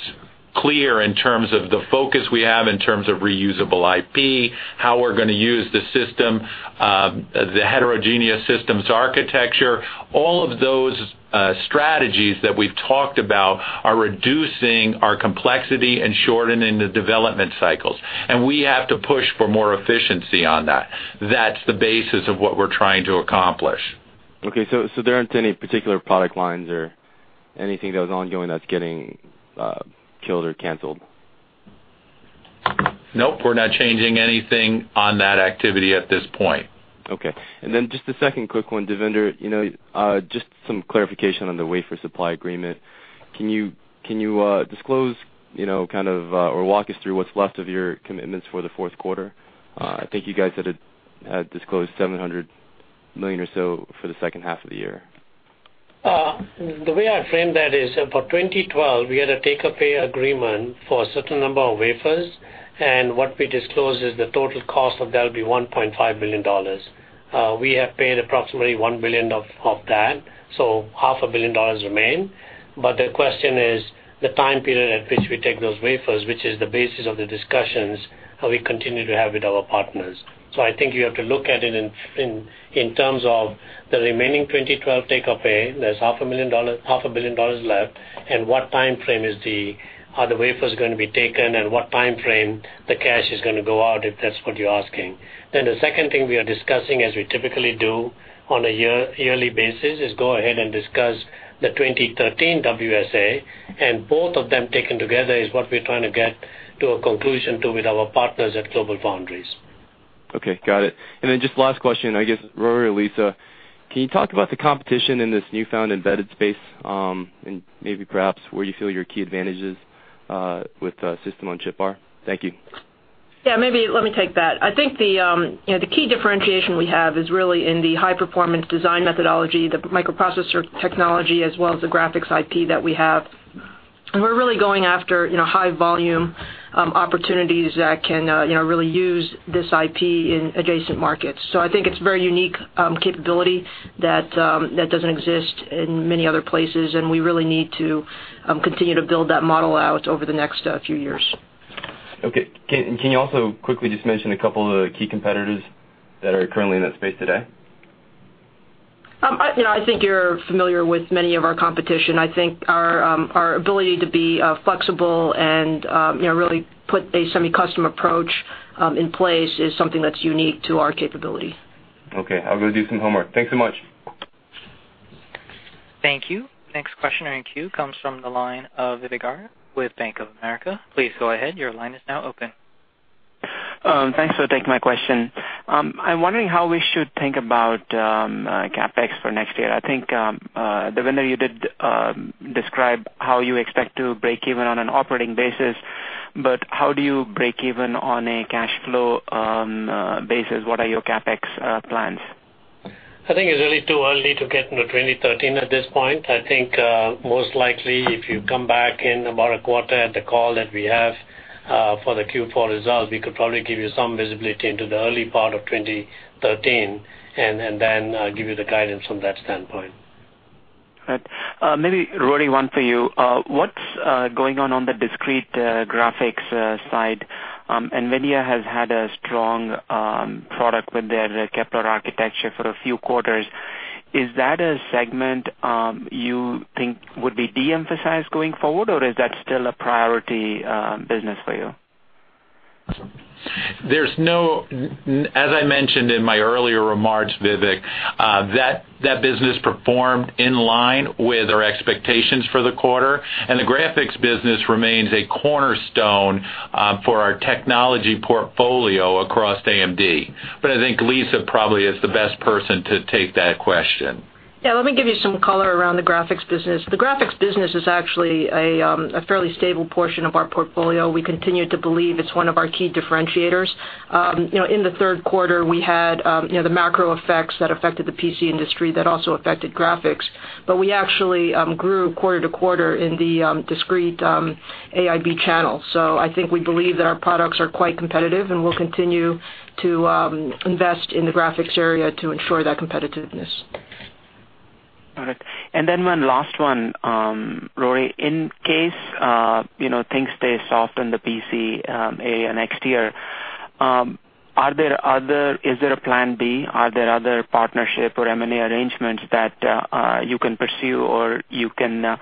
clear in terms of the focus we have in terms of reusable IP, how we're going to use the system, the Heterogeneous Systems Architecture. All of those strategies that we've talked about are reducing our complexity and shortening the development cycles, and we have to push for more efficiency on that. That's the basis of what we're trying to accomplish. Okay, there aren't any particular product lines or anything that was ongoing that's getting killed or canceled? Nope, we're not changing anything on that activity at this point. Okay. Just a second quick one, Devinder. Just some clarification on the wafer supply agreement. Can you disclose or walk us through what's left of your commitments for the fourth quarter? I think you guys had disclosed $700 million or so for the second half of the year. The way I frame that is for 2012, we had a take-or-pay agreement for a certain number of wafers, and what we disclosed is the total cost of that will be $1.5 billion. We have paid approximately $1 billion of that, so half a billion dollars remain. The question is the time period at which we take those wafers, which is the basis of the discussions we continue to have with our partners. I think you have to look at it in terms of the remaining 2012 take-or-pay, there's half a billion dollars left, and what timeframe are the wafers going to be taken, and what timeframe the cash is going to go out, if that's what you're asking. The second thing we are discussing, as we typically do on a yearly basis, is go ahead and discuss the 2013 WSA. Both of them taken together is what we're trying to get to a conclusion to with our partners at GlobalFoundries. Okay, got it. Just last question, I guess, Rory or Lisa, can you talk about the competition in this newfound embedded space and maybe perhaps where you feel your key advantage is with system on chip? Thank you. Yeah, let me take that. I think the key differentiation we have is really in the high-performance design methodology, the microprocessor technology, as well as the graphics IP that we have. We're really going after high-volume opportunities that can really use this IP in adjacent markets. I think it's a very unique capability that doesn't exist in many other places, and we really need to continue to build that model out over the next few years. Okay. Can you also quickly just mention a couple of the key competitors that are currently in that space today? I think you're familiar with many of our competition. I think our ability to be flexible and really put a semi-custom approach in place is something that's unique to our capability. Okay. I'll go do some homework. Thanks so much. Thank you. Next question in queue comes from the line of Vivek Arya with Bank of America. Please go ahead, your line is now open. Thanks for taking my question. I'm wondering how we should think about CapEx for next year. I think, Devinder, you did describe how you expect to break even on an operating basis, but how do you break even on a cash flow basis? What are your CapEx plans? I think it's really too early to get into 2013 at this point. I think most likely, if you come back in about a quarter at the call that we have for the Q4 results, we could probably give you some visibility into the early part of 2013, then give you the guidance from that standpoint. Right. Maybe Rory, one for you. What's going on on the discrete graphics side? NVIDIA has had a strong product with their Kepler architecture for a few quarters. Is that a segment you think would be de-emphasized going forward, or is that still a priority business for you? As I mentioned in my earlier remarks, Vivek, that business performed in line with our expectations for the quarter, the graphics business remains a cornerstone for our technology portfolio across AMD. I think Lisa probably is the best person to take that question. Yeah, let me give you some color around the graphics business. The graphics business is actually a fairly stable portion of our portfolio. We continue to believe it's one of our key differentiators. In the third quarter, we had the macro effects that affected the PC industry that also affected graphics. We actually grew quarter-to-quarter in the discrete AIB channel. I think we believe that our products are quite competitive, we'll continue to invest in the graphics area to ensure that competitiveness. Got it. One last one, Rory. In case things stay soft in the PCA next year, is there a plan B? Are there other partnership or M&A arrangements that you can pursue or you can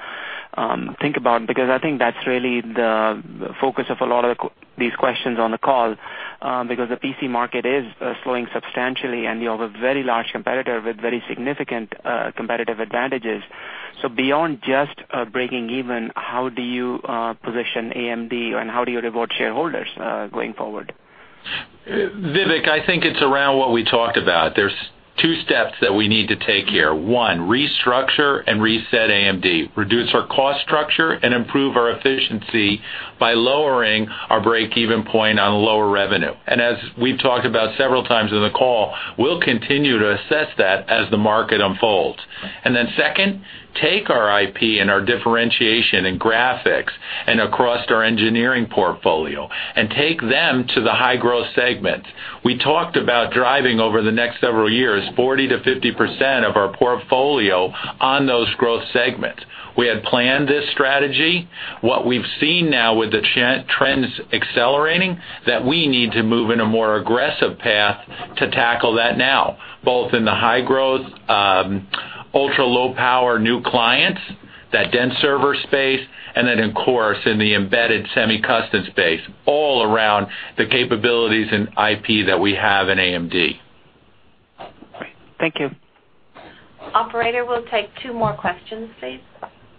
think about? Because I think that's really the focus of a lot of these questions on the call, because the PC market is slowing substantially, and you have a very large competitor with very significant competitive advantages. Beyond just breaking even, how do you position AMD and how do you reward shareholders going forward? Vivek, I think it's around what we talked about. There's two steps that we need to take here. One, restructure and reset AMD, reduce our cost structure, and improve our efficiency by lowering our break-even point on lower revenue. As we've talked about several times in the call, we'll continue to assess that as the market unfolds. Second, take our IP and our differentiation in graphics and across our engineering portfolio and take them to the high-growth segments. We talked about driving, over the next several years, 40%-50% of our portfolio on those growth segments. We had planned this strategy. What we've seen now with the trends accelerating, that we need to move in a more aggressive path to tackle that now, both in the high-growth, ultra-low power new clients, that dense server space, and of course in the embedded semi-custom space, all around the capabilities and IP that we have in AMD. Great. Thank you. Operator, we'll take two more questions, please.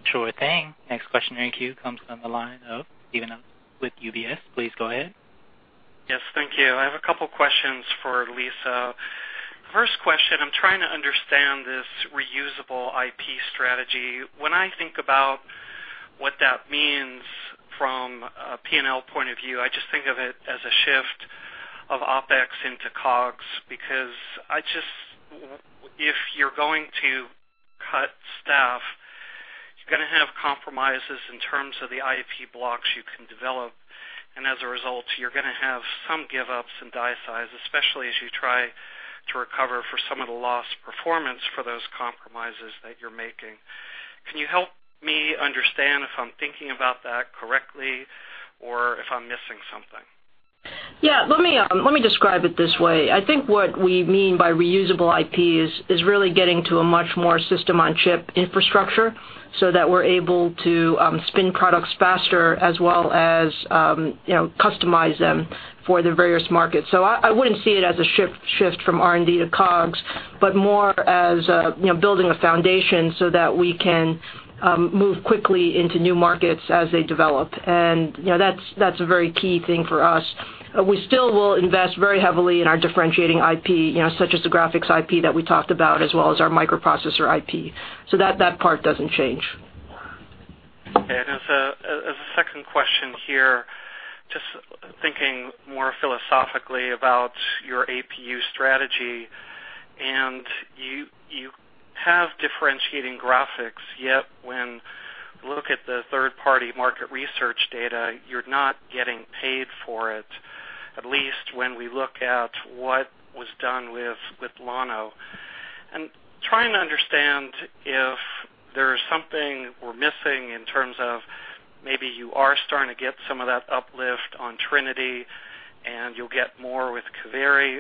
Sure thing. Next question in queue comes from the line of Steven Um with UBS. Please go ahead. Yes, thank you. I have a couple questions for Lisa. First question, I'm trying to understand this reusable IP strategy. When I think about what that means from a P&L point of view, I just think of it as a shift of OpEx into COGS because if you're going to cut staff, you're going to have compromises in terms of the IP blocks you can develop, and as a result, you're going to have some give up some die size, especially as you try to recover for some of the lost performance for those compromises that you're making. Can you help me understand if I'm thinking about that correctly or if I'm missing something? Yeah. Let me describe it this way. I think what we mean by reusable IP is really getting to a much more system-on-chip infrastructure so that we're able to spin products faster as well as customize them for the various markets. I wouldn't see it as a shift from R&D to COGS, but more as building a foundation so that we can move quickly into new markets as they develop. That's a very key thing for us. We still will invest very heavily in our differentiating IP, such as the graphics IP that we talked about, as well as our microprocessor IP. That part doesn't change. Okay. As a second question here, just thinking more philosophically about your APU strategy, and you have differentiating graphics, yet when look at the third-party market research data, you're not getting paid for it, at least when we look at what was done with Llano. I'm trying to understand if there's something we're missing in terms of maybe you are starting to get some of that uplift on Trinity and you'll get more with Kaveri,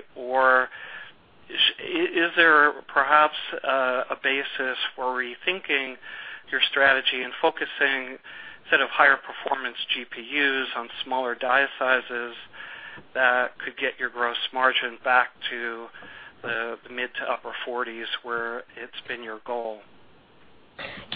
or is there perhaps a basis for rethinking your strategy and focusing, instead of higher performance GPUs on smaller die sizes that could get your gross margin back to the mid to upper 40s where it's been your goal?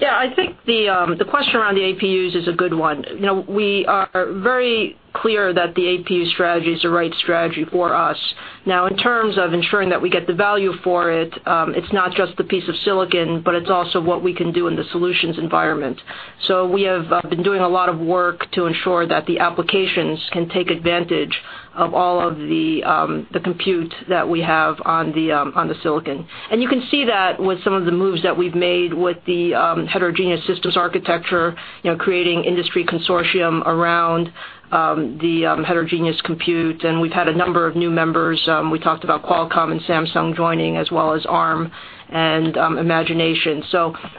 Yeah, I think the question around the APUs is a good one. We are very clear that the APU strategy is the right strategy for us. Now, in terms of ensuring that we get the value for it's not just the piece of silicon, but it's also what we can do in the solutions environment. We have been doing a lot of work to ensure that the applications can take advantage of all of the compute that we have on the silicon. You can see that with some of the moves that we've made with the Heterogeneous Systems Architecture, creating industry consortium around the heterogeneous compute, and we've had a number of new members. We talked about Qualcomm and Samsung joining, as well as Arm and Imagination.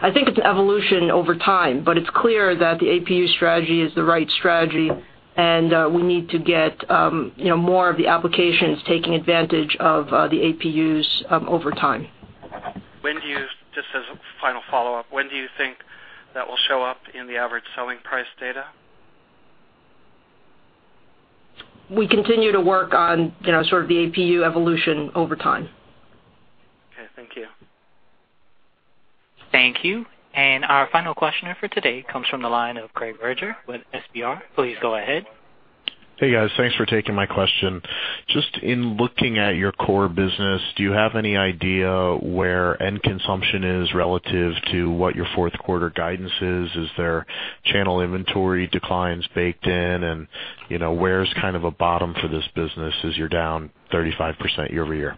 I think it's evolution over time, but it's clear that the APU strategy is the right strategy and we need to get more of the applications taking advantage of the APUs over time. Just as a final follow-up, when do you think that will show up in the average selling price data? We continue to work on the APU evolution over time. Okay, thank you. Thank you. Our final questioner for today comes from the line of Craig Berger with FBR. Please go ahead. Hey, guys. Thanks for taking my question. Just in looking at your core business, do you have any idea where end consumption is relative to what your fourth quarter guidance is? Is there channel inventory declines baked in? Where's a bottom for this business as you're down 35% year-over-year?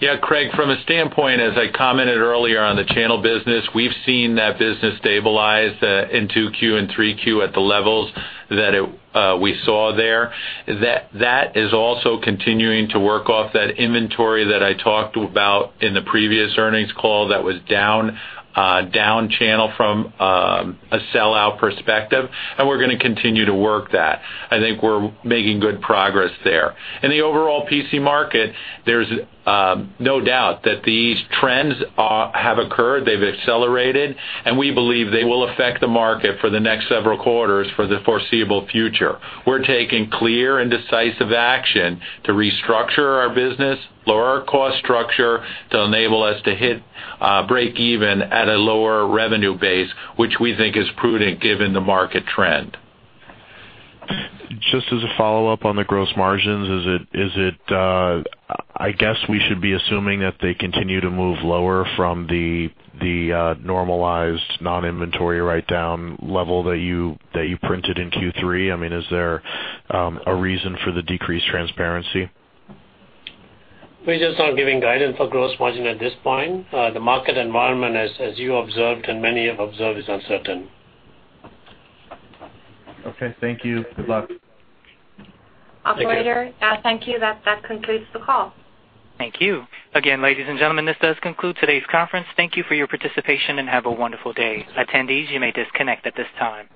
Yeah, Craig, from a standpoint, as I commented earlier on the channel business, we've seen that business stabilize in Q2 and Q3 at the levels that we saw there. That is also continuing to work off that inventory that I talked about in the previous earnings call that was down channel from a sellout perspective, and we're going to continue to work that. I think we're making good progress there. In the overall PC market, there's no doubt that these trends have occurred. They've accelerated. We believe they will affect the market for the next several quarters for the foreseeable future. We're taking clear and decisive action to restructure our business, lower our cost structure to enable us to hit break-even at a lower revenue base, which we think is prudent given the market trend. Just as a follow-up on the gross margins, I guess we should be assuming that they continue to move lower from the normalized non-inventory write-down level that you printed in Q3. Is there a reason for the decreased transparency? We're just not giving guidance for gross margin at this point. The market environment, as you observed and many have observed, is uncertain. Okay, thank you. Good luck. Operator, thank you. That concludes the call. Thank you. Again, ladies and gentlemen, this does conclude today's conference. Thank you for your participation and have a wonderful day. Attendees, you may disconnect at this time.